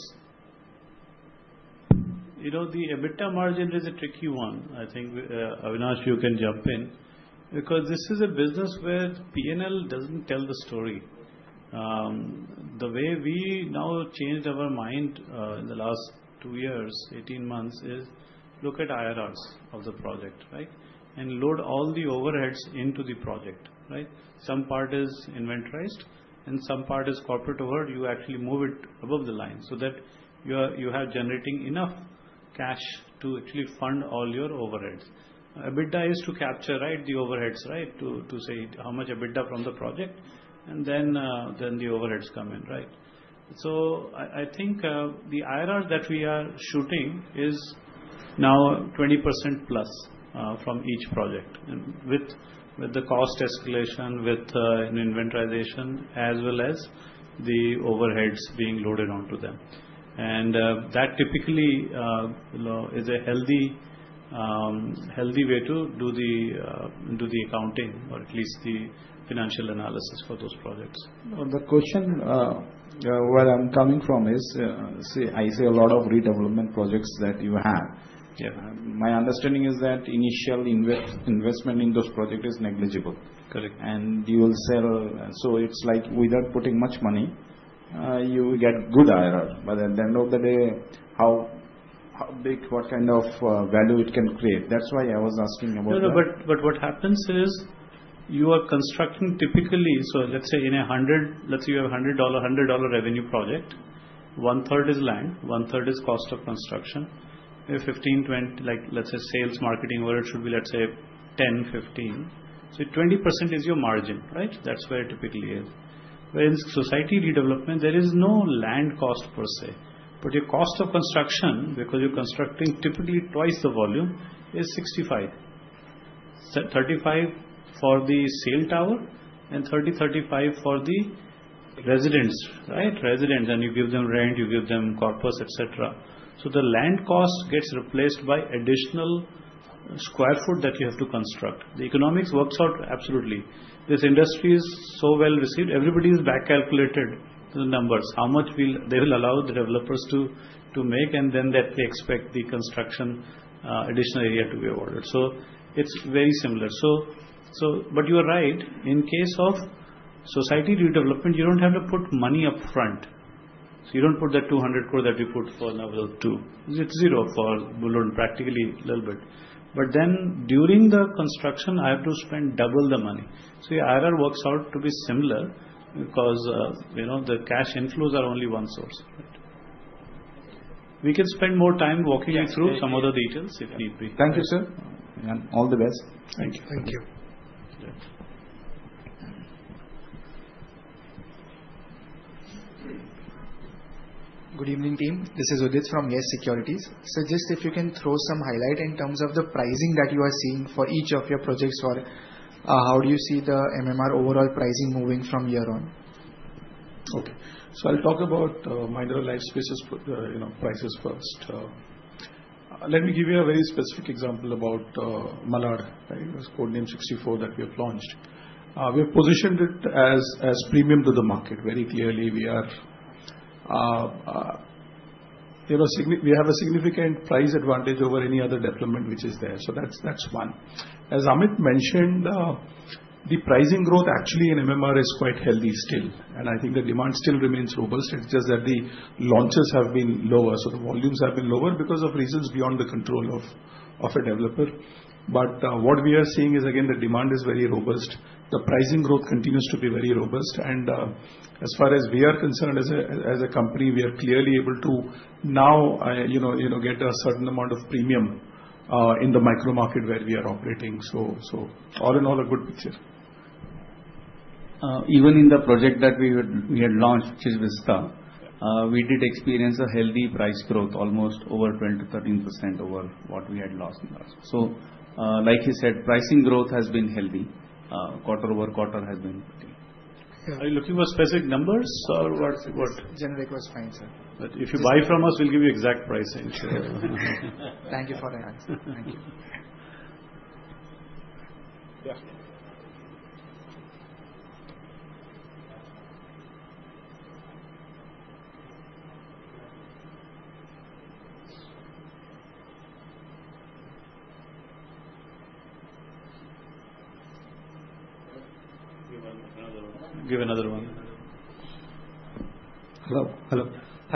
The EBITDA margin is a tricky one. I think, Avinash, you can jump in because this is a business where P&L doesn't tell the story. The way we now changed our mind in the last two years, 18 months, is look at IRRs of the project, right, and load all the overheads into the project, right? Some part is inventoried, and some part is corporate overhead. You actually move it above the line so that you are generating enough cash to actually fund all your overheads. EBITDA is to capture, right, the overheads, right, to say how much EBITDA from the project. And then the overheads come in, right? So I think the IRR that we are shooting is now 20% plus from each project with the cost escalation, with inventorization, as well as the overheads being loaded onto them. And that typically is a healthy way to do the accounting or at least the financial analysis for those projects. The question where I'm coming from is I see a lot of redevelopment projects that you have. My understanding is that initial investment in those projects is negligible. Correct. And you will sell. So it's like, without putting much money, you will get good IRR. But at the end of the day, how big, what kind of value it can create? That's why I was asking about. No, no. But what happens is you are constructing typically, so let's say in a 100, let's say you have $100 revenue project, one-third is land, one-third is cost of construction. If 15, 20, let's say sales, marketing overhead should be, let's say, 10, 15. So 20% is your margin, right? That's where it typically is. Where in society redevelopment, there is no land cost per se. But your cost of construction, because you're constructing typically twice the volume, is 65, 35 for the sale tower and 30-35 for the residents, right? And you give them rent, you give them corpus, etc. So, the land cost gets replaced by additional sq ft that you have to construct. The economics works out absolutely. This industry is so well received. Everybody is back calculated the numbers, how much they will allow the developers to make, and then they expect the construction additional area to be awarded. So it's very similar. But you are right. In case of society redevelopment, you don't have to put money upfront. So you don't put that 200 crore that you put for land too. It's zero for Bhandup, practically a little bit. But then during the construction, I have to spend double the money. So the IRR works out to be similar because the cash inflows are only one source. We can spend more time walking you through some other details if need be. Thank you, sir, and all the best. Thank you. Thank you. Good evening, team. This is Udit from YES Securities. Suggest if you can throw some highlight in terms of the pricing that you are seeing for each of your projects or how do you see the MMR overall pricing moving from year on? Okay. I'll talk about Mahindra Lifespace prices first. Let me give you a very specific example about Malad, Codename 64 that we have launched. We have positioned it as premium to the market very clearly. We have a significant price advantage over any other development which is there. That's one. As Amit mentioned, the pricing growth actually in MMR is quite healthy still. I think the demand still remains robust. It's just that the launches have been lower. The volumes have been lower because of reasons beyond the control of a developer. What we are seeing is, again, the demand is very robust. The pricing growth continues to be very robust. As far as we are concerned, as a company, we are clearly able to now get a certain amount of premium in the micro market where we are operating. All in all, a good picture. Even in the project that we had launched, which is Vista, we did experience a healthy price growth, almost over 12%-13% over what we had last. So like he said, pricing growth has been healthy. Quarter over quarter has been pretty. Are you looking for specific numbers or what? Generic was fine, sir. But if you buy from us, we'll give you exact pricing. Thank you for the answer. Thank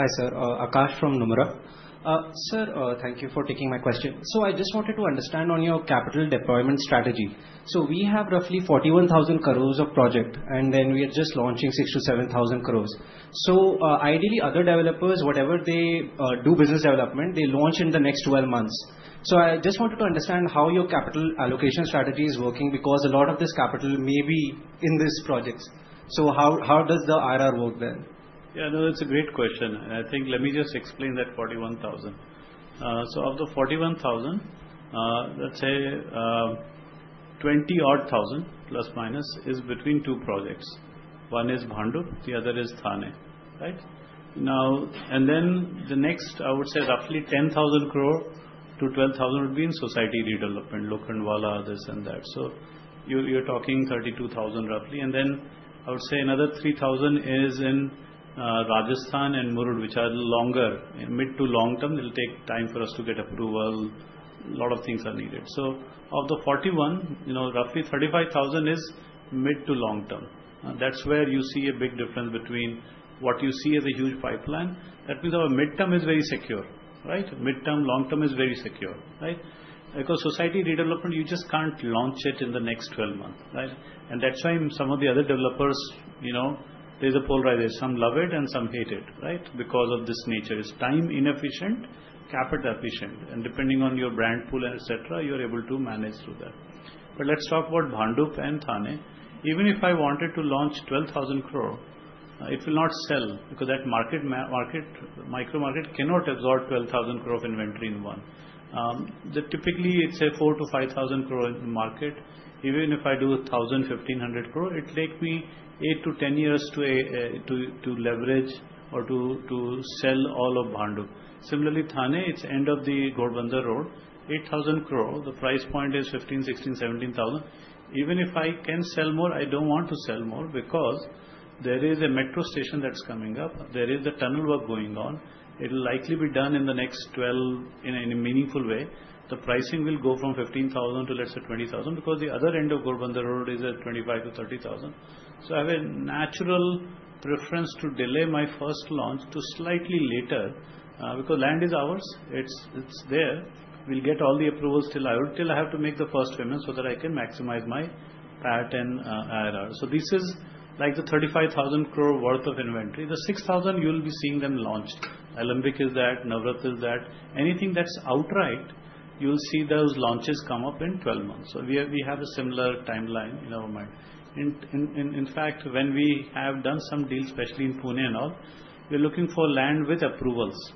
you. Give another one. Give another one. Hello. Hello. Hi, sir. Akash from Nomura. Sir, thank you for taking my question. So I just wanted to understand on your capital deployment strategy. So we have roughly 41,000 crores of project, and then we are just launching 6,000 crore-7,000 crores. So ideally, other developers, whatever they do business development, they launch in the next 12 months. So I just wanted to understand how your capital allocation strategy is working because a lot of this capital may be in these projects. So how does the IRR work then? Yeah. No, that's a great question. And I think let me just explain that 41,000. So, of the 41,000, let's say 20-odd thousand plus minus is between two projects. One is Bhandup, the other is Thane, right? And then the next, I would say roughly 10,000 crore- 12,000 crore would be in society redevelopment, Lokhandwala, this and that. So, you're talking 32,000 roughly. And then I would say another 3,000 is in Rajasthan and Murud, which are longer. Mid to long term, it'll take time for us to get approval. A lot of things are needed. So, of the 41, roughly 35,000 is mid to long term. That's where you see a big difference between what you see as a huge pipeline. That means our midterm is very secure, right? Midterm, long term is very secure, right? Because society redevelopment, you just can't launch it in the next 12 months, right? And that's why some of the other developers, there's a polarization. Some love it and some hate it, right? Because of this nature. It's time inefficient, capital efficient. And depending on your brand pool, etc., you're able to manage through that. But let's talk about Bhandup and Thane. Even if I wanted to launch 12,000 crore, it will not sell because that micro market cannot absorb 12,000 crore of inventory in one. Typically, it's an 4,000 crore-5,000 crore market. Even if I do 1,000 crore-1,500 crore, it'll take me 8-10 years to leverage or to sell all of Bhandup. Similarly, Thane, it's end of the Ghodbunder Road. 8,000 crore, the price point is Rs 15,000-17,000. Even if I can sell more, I don't want to sell more because there is a metro station that's coming up. There is the tunnel work going on. It'll likely be done in the next 12 in a meaningful way. The pricing will go from 15,000 crore-20,000 crore because the other end of Ghodbunder Road is at 25,000 crore-30,000 crore. So, I have a natural preference to delay my first launch to slightly later because land is ours. It's there. We'll get all the approvals till I have to make the first payment so that I can maximize my pattern IRR. So, this is like the 35,000 crore worth of inventory. The 6,000 crore, you'll be seeing them launched. Alembic is that. Navarathna is that. Anything that's outright, you'll see those launches come up in 12 months. So, we have a similar timeline in our mind. In fact, when we have done some deals, especially in Pune and all, we're looking for land with approvals,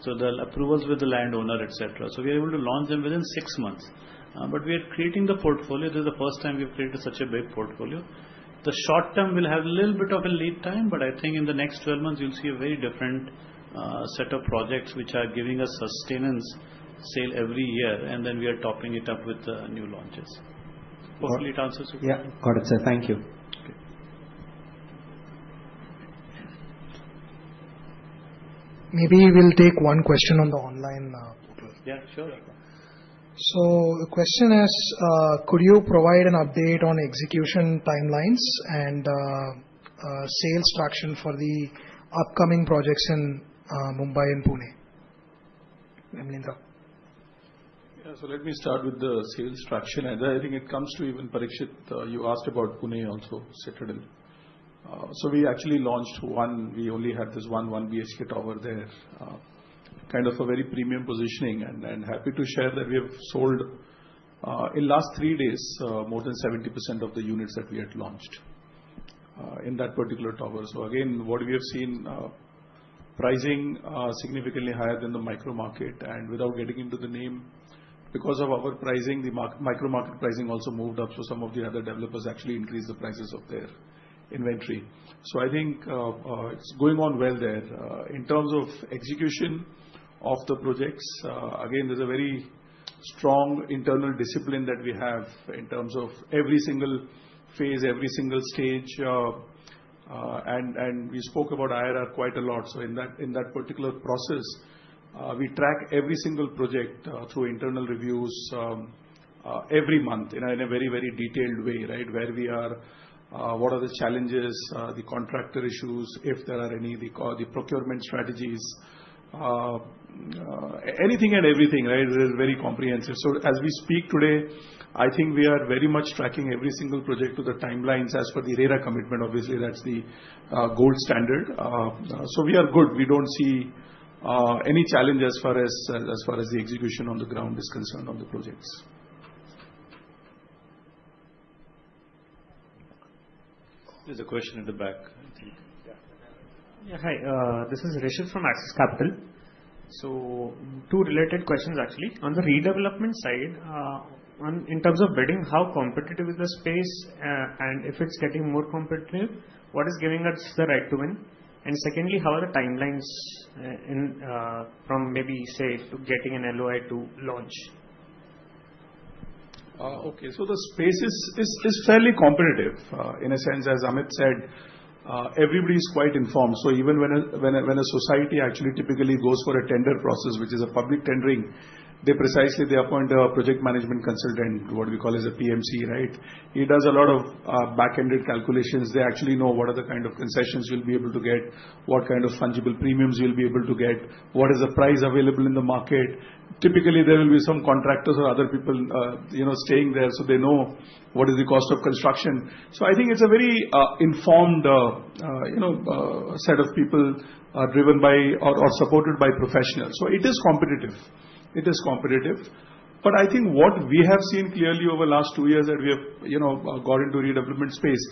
so the approvals with the landowner, etc., so we're able to launch them within six months, but we are creating the portfolio. This is the first time we've created such a big portfolio. The short term will have a little bit of a lead time, but I think in the next 12 months, you'll see a very different set of projects which are giving us sustained sales every year, and then we are topping it up with new launches. Hopefully, it answers your question. Yeah. Got it, sir. Thank you. Maybe we'll take one question on the online portal. Yeah, sure. So the question is, could you provide an update on execution timelines and sales traction for the upcoming projects in Mumbai and Pune? Yeah. So let me start with the sales traction. I think it comes to even Parikshit. You asked about Pune also, Citadel. So we actually launched one. We only had this one, one BHK tower there. Kind of a very premium positioning. And happy to share that we have sold in the last three days, more than 70% of the units that we had launched in that particular tower. So again, what we have seen, pricing significantly higher than the micro market. And without getting into the name, because of our pricing, the micro market pricing also moved up. So some of the other developers actually increased the prices of their inventory. So I think it's going on well there. In terms of execution of the projects, again, there's a very strong internal discipline that we have in terms of every single phase, every single stage. And we spoke about IRR quite a lot. So in that particular process, we track every single project through internal reviews every month in a very, very detailed way, right? Where we are, what are the challenges, the contractor issues, if there are any, the procurement strategies, anything and everything, right? It is very comprehensive. So as we speak today, I think we are very much tracking every single project to the timelines. As for the RERA commitment, obviously, that's the gold standard. So we are good. We don't see any challenges as far as the execution on the ground is concerned on the projects. There's a question at the back, I think. Yeah. Hi. This is Rishith from Axis Capital. So two related questions, actually. On the redevelopment side, in terms of bidding, how competitive is the space? And if it's getting more competitive, what is giving us the right to win? And secondly, how are the timelines from maybe say to getting an LOI to launch? Okay. So the space is fairly competitive in a sense. As Amit said, everybody is quite informed. So even when a society actually typically goes for a tender process, which is a public tendering, they precisely appoint a project management consultant, what we call as a PMC, right? He does a lot of back-ended calculations. They actually know what are the kind of concessions you'll be able to get, what kind of fungible premiums you'll be able to get, what is the price available in the market. Typically, there will be some contractors or other people staying there. So they know what is the cost of construction. So I think it's a very informed set of people driven by or supported by professionals. So it is competitive. It is competitive. But I think what we have seen clearly over the last two years that we have got into redevelopment space,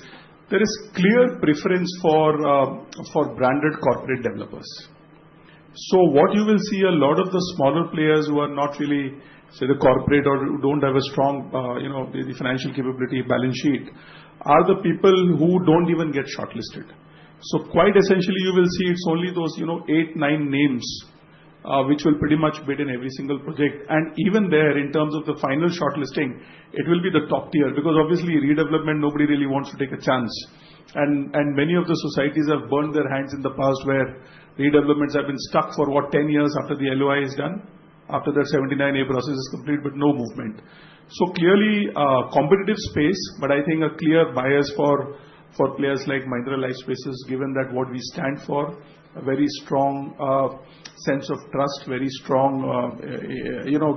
there is clear preference for branded corporate developers. So what you will see, a lot of the smaller players who are not really, say, the corporate or don't have a strong financial capability balance sheet are the people who don't even get shortlisted. So quite essentially, you will see it's only those eight, nine names which will pretty much bid in every single project. And even there, in terms of the final shortlisting, it will be the top tier because obviously, redevelopment, nobody really wants to take a chance. And many of the societies have burned their hands in the past where redevelopments have been stuck for what, 10 years after the LOI is done, after their 79A process is complete, but no movement. So clearly, competitive space, but I think a clear bias for players like Mahindra Lifespace, given that what we stand for, a very strong sense of trust, very strong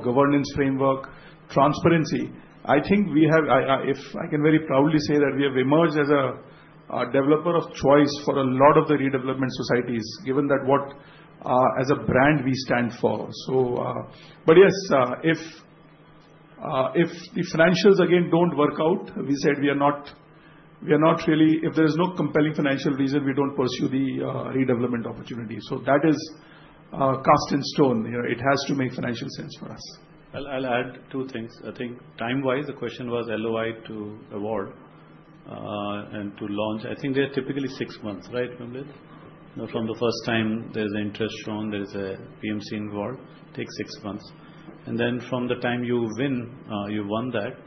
governance framework, transparency. I think we have, if I can very proudly say that we have emerged as a developer of choice for a lot of the redevelopment societies, given that what as a brand we stand for. But yes, if the financials, again, don't work out, we said we are not really, if there is no compelling financial reason, we don't pursue the redevelopment opportunity. So that is cast in stone. It has to make financial sense for us. I'll add two things. I think time-wise, the question was LOI to award and to launch. I think they're typically six months, right, Udit? From the first time, there's interest shown, there's a PMC involved, takes six months. And then from the time you win, you won that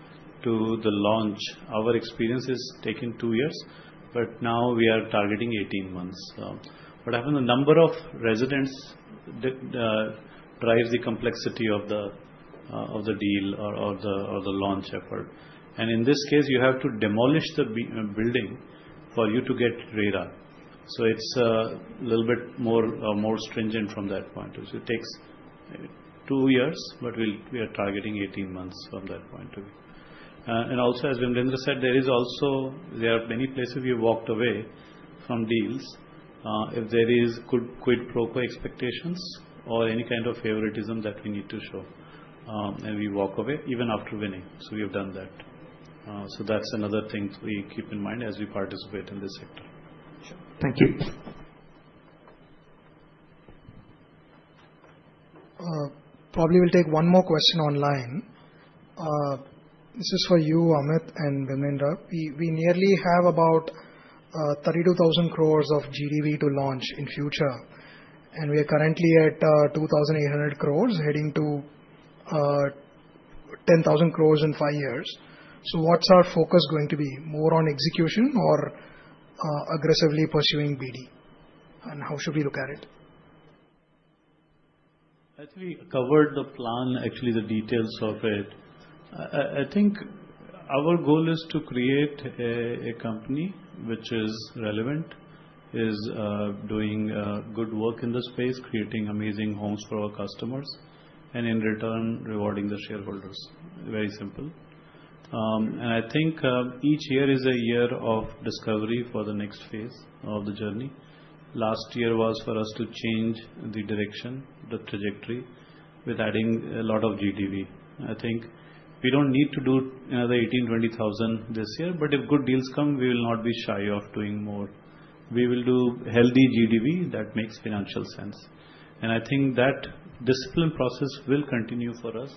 to the launch, our experience is taking two years. But now we are targeting 18 months. What happens, the number of residents drives the complexity of the deal or the launch effort. And in this case, you have to demolish the building for you to get RERA. So it's a little bit more stringent from that point of view. So it takes two years, but we are targeting 18 months from that point of view. And also, as Vimalendra said, there are many places we walked away from deals if there is quid pro quo expectations or any kind of favoritism that we need to show. And we walk away even after winning. So we have done that. So that's another thing we keep in mind as we participate in this sector. Sure. Thank you. Probably we'll take one more question online. This is for you, Amit and Vimalendra. We nearly have about 32,000 crores of GDV to launch in future. We are currently at 2,800 crores heading to 10,000 crores in five years. So what's our focus going to be? More on execution or aggressively pursuing BD? And how should we look at it? Actually, we covered the plan, actually the details of it. I think our goal is to create a company which is relevant, is doing good work in the space, creating amazing homes for our customers, and in return, rewarding the shareholders. Very simple. I think each year is a year of discovery for the next phase of the journey. Last year was for us to change the direction, the trajectory with adding a lot of GDV. I think we don't need to do another 18,000-20,000 this year, but if good deals come, we will not be shy of doing more. We will do healthy GDV that makes financial sense. And I think that discipline process will continue for us.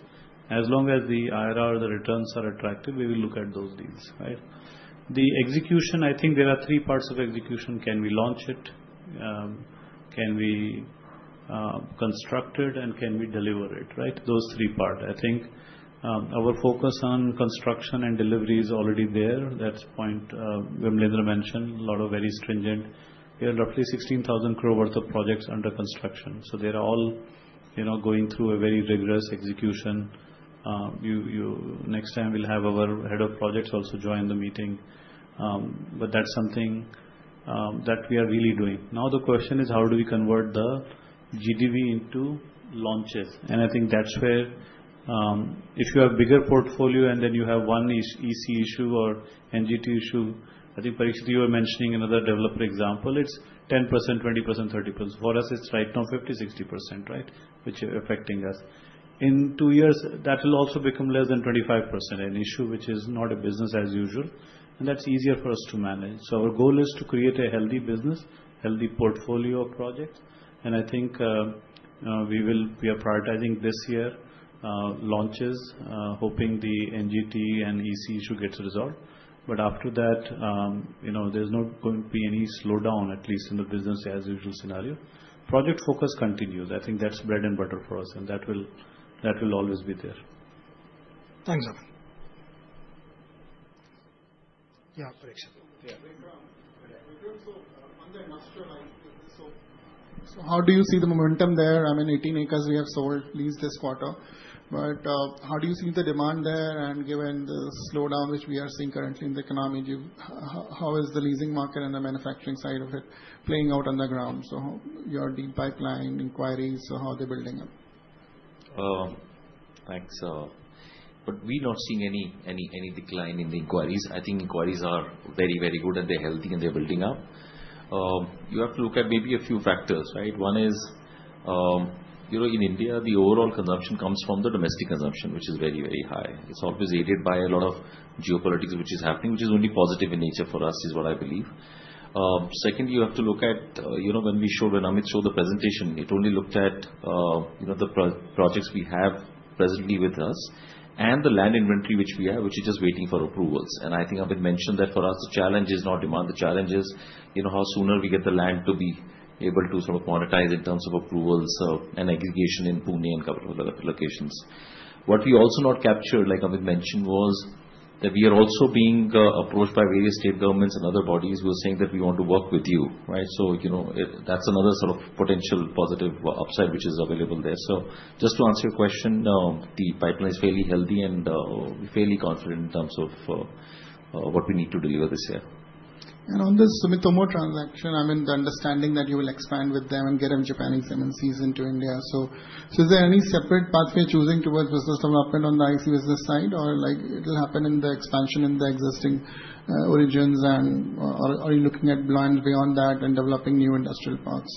As long as the IRR, the returns are attractive, we will look at those deals, right? The execution, I think there are three parts of execution. Can we launch it? Can we construct it? And can we deliver it, right? Those three parts. I think our focus on construction and delivery is already there. That's the point Vimalendra mentioned, a lot of very stringent. We have roughly 16,000 crore worth of projects under construction. So they're all going through a very rigorous execution. Next time, we'll have our head of projects also join the meeting. But that's something that we are really doing. Now the question is, how do we convert the GDV into launches? And I think that's where if you have a bigger portfolio and then you have one EC issue or NGT issue, I think Parikshit, you were mentioning another developer example. It's 10%, 20%, 30%. For us, it's right now 50%-60%, right? Which are affecting us. In two years, that will also become less than 25%, an issue which is not a business as usual. And that's easier for us to manage. So our goal is to create a healthy business, healthy portfolio of projects. And I think we are prioritizing this year launches, hoping the NGT and EC issue gets resolved. But after that, there's not going to be any slowdown, at least in the business as usual scenario. Project focus continues. I think that's bread and butter for us. And that will always be there. Thanks, Amit. Yeah, Parikshit. So how do you see the momentum there? I mean, 18 acres we have sold leased this quarter. But how do you see the demand there? And given the slowdown which we are seeing currently in the economy, how is the leasing market and the manufacturing side of it playing out on the ground? So your deep pipeline inquiries, how are they building up? Thanks, but we're not seeing any decline in the inquiries. I think inquiries are very, very good, and they're healthy, and they're building up. You have to look at maybe a few factors, right? One is in India, the overall consumption comes from the domestic consumption, which is very, very high. It's always aided by a lot of geopolitics, which is happening, which is only positive in nature for us, is what I believe. Second, you have to look at when Amit showed the presentation, it only looked at the projects we have presently with us and the land inventory which we have, which is just waiting for approvals, and I think Amit mentioned that for us, the challenge is not demand. The challenge is how sooner we get the land to be able to sort of monetize in terms of approvals and aggregation in Pune and a couple of other locations. What we also not captured, like Amit mentioned, was that we are also being approached by various state governments and other bodies who are saying that we want to work with you, right? So that's another sort of potential positive upside which is available there. So just to answer your question, the pipeline is fairly healthy and fairly confident in terms of what we need to deliver this year. On this Sumitomo transaction, I mean, the understanding that you will expand with them and get them Japan MNCs into India. Is there any separate pathway towards business development on the IC business side? Or will it happen in the expansion of the existing Origins? Are you looking at lands beyond that and developing new industrial parks?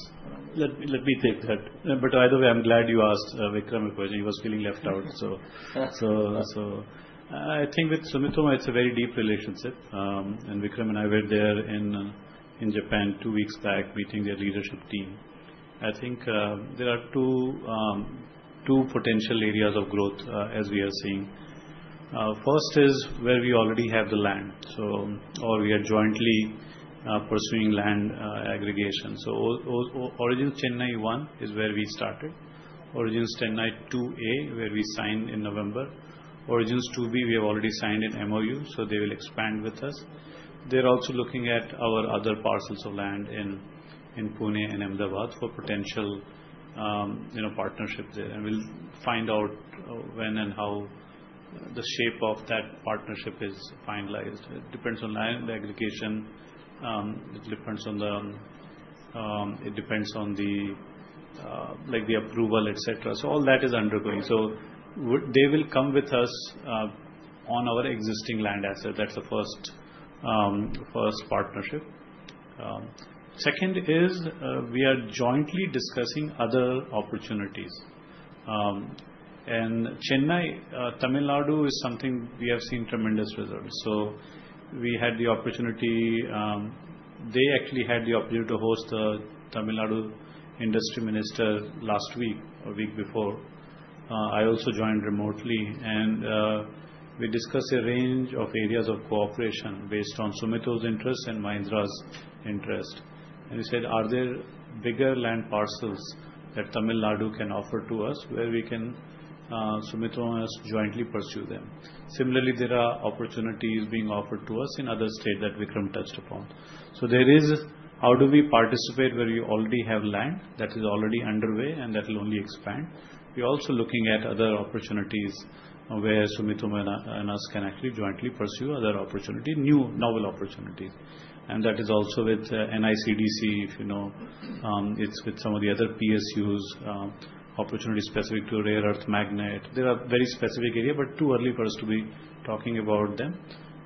Let me take that. But either way, I'm glad you asked, Vikram, because he was feeling left out. So I think with Sumitomo, it's a very deep relationship. And Vikram and I were there in Japan two weeks back, meeting their leadership team. I think there are two potential areas of growth as we are seeing. First is where we already have the land, or we are jointly pursuing land aggregation. So Origins, Chennai 1 is where we started. Origins, Chennai 2A, where we signed in November. Origins 2B, we have already signed an MOU, so they will expand with us. They're also looking at our other parcels of land in Pune and Ahmedabad for potential partnership there. And we'll find out when and how the shape of that partnership is finalized. It depends on land aggregation. It depends on the approval, etc. So all that is undergoing. They will come with us on our existing land asset. That's the first partnership. Second is we are jointly discussing other opportunities. And Chennai, Tamil Nadu is something we have seen tremendous results. So we had the opportunity. They actually had the opportunity to host the Tamil Nadu Industry Minister last week or week before. I also joined remotely. And we discussed a range of areas of cooperation based on Sumitomo's interests and Mahindra's interest. And we said, "Are there bigger land parcels that Tamil Nadu can offer to us where Sumitomo and us jointly pursue them?" Similarly, there are opportunities being offered to us in other states that Vikram touched upon. So there is how do we participate where you already have land that is already underway and that will only expand? We're also looking at other opportunities where Sumitomo and us can actually jointly pursue other opportunities, new novel opportunities, and that is also with NICDC, if you know. It's with some of the other PSUs, opportunity specific to rare earth magnet. There are very specific areas, but too early for us to be talking about them,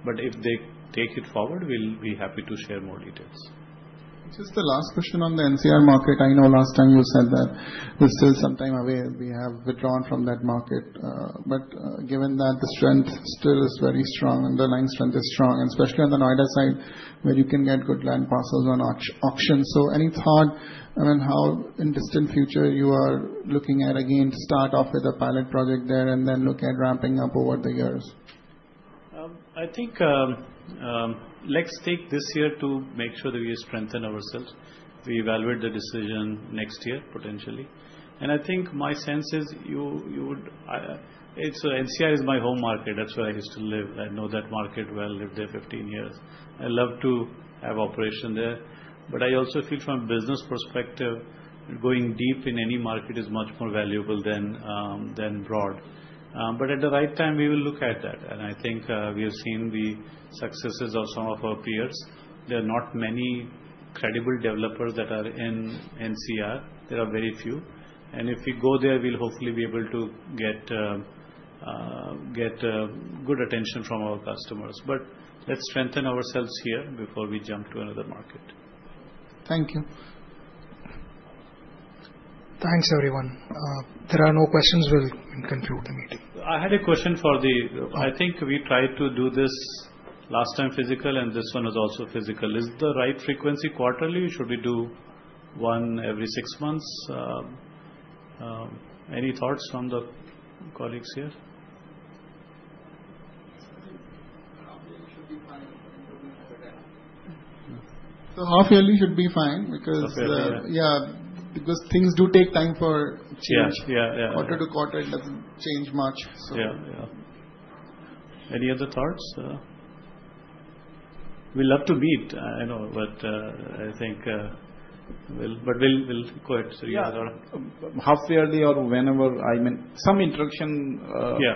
but if they take it forward, we'll be happy to share more details. This is the last question on the NCR market. I know last time you said that we're still sometime away. We have withdrawn from that market. But given that the strength still is very strong, underlying strength is strong, and especially on the Noida side where you can get good land parcels on auction. So any thought on how in distant future you are looking at, again, to start off with a pilot project there and then look at ramping up over the years? I think, let's take this year to make sure that we strengthen ourselves. We evaluate the decision next year, potentially. And I think my sense is it's NCR is my home market. That's where I used to live. I know that market well. I lived there 15 years. I love to have operation there. But I also feel from a business perspective, going deep in any market is much more valuable than broad. But at the right time, we will look at that. And I think we have seen the successes of some of our peers. There are not many credible developers that are in NCR. There are very few. And if we go there, we'll hopefully be able to get good attention from our customers. But let's strengthen ourselves here before we jump to another market. Thank you. Thanks, everyone. There are no questions. We'll conclude the meeting. I had a question for the. I think we tried to do this last time physical, and this one is also physical. Is the right frequency quarterly? Should we do one every six months? Any thoughts from the colleagues here? Half-yearly should be fine. So half-yearly should be fine because things do take time for change. Quarter-to-quarter doesn't change much. Any other thoughts? We love to meet. I know, but I think we'll go ahead three hours. Half-yearly or whenever, I mean, some interaction,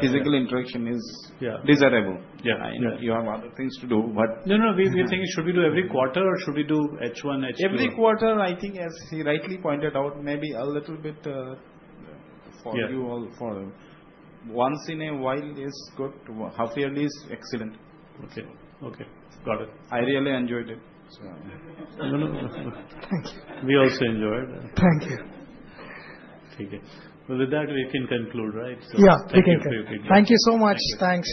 physical interaction is desirable. You have other things to do, but. No, no. We're thinking, should we do every quarter or should we do H1, H2? Every quarter, I think, as he rightly pointed out, maybe a little bit for you all. Once in a while is good. Half-yearly is excellent. Okay. Okay. Got it. I really enjoyed it. Thank you. We also enjoyed. Thank you. Okay. With that, we can conclude, right? Yeah. Thank you. Thank you so much. Thanks.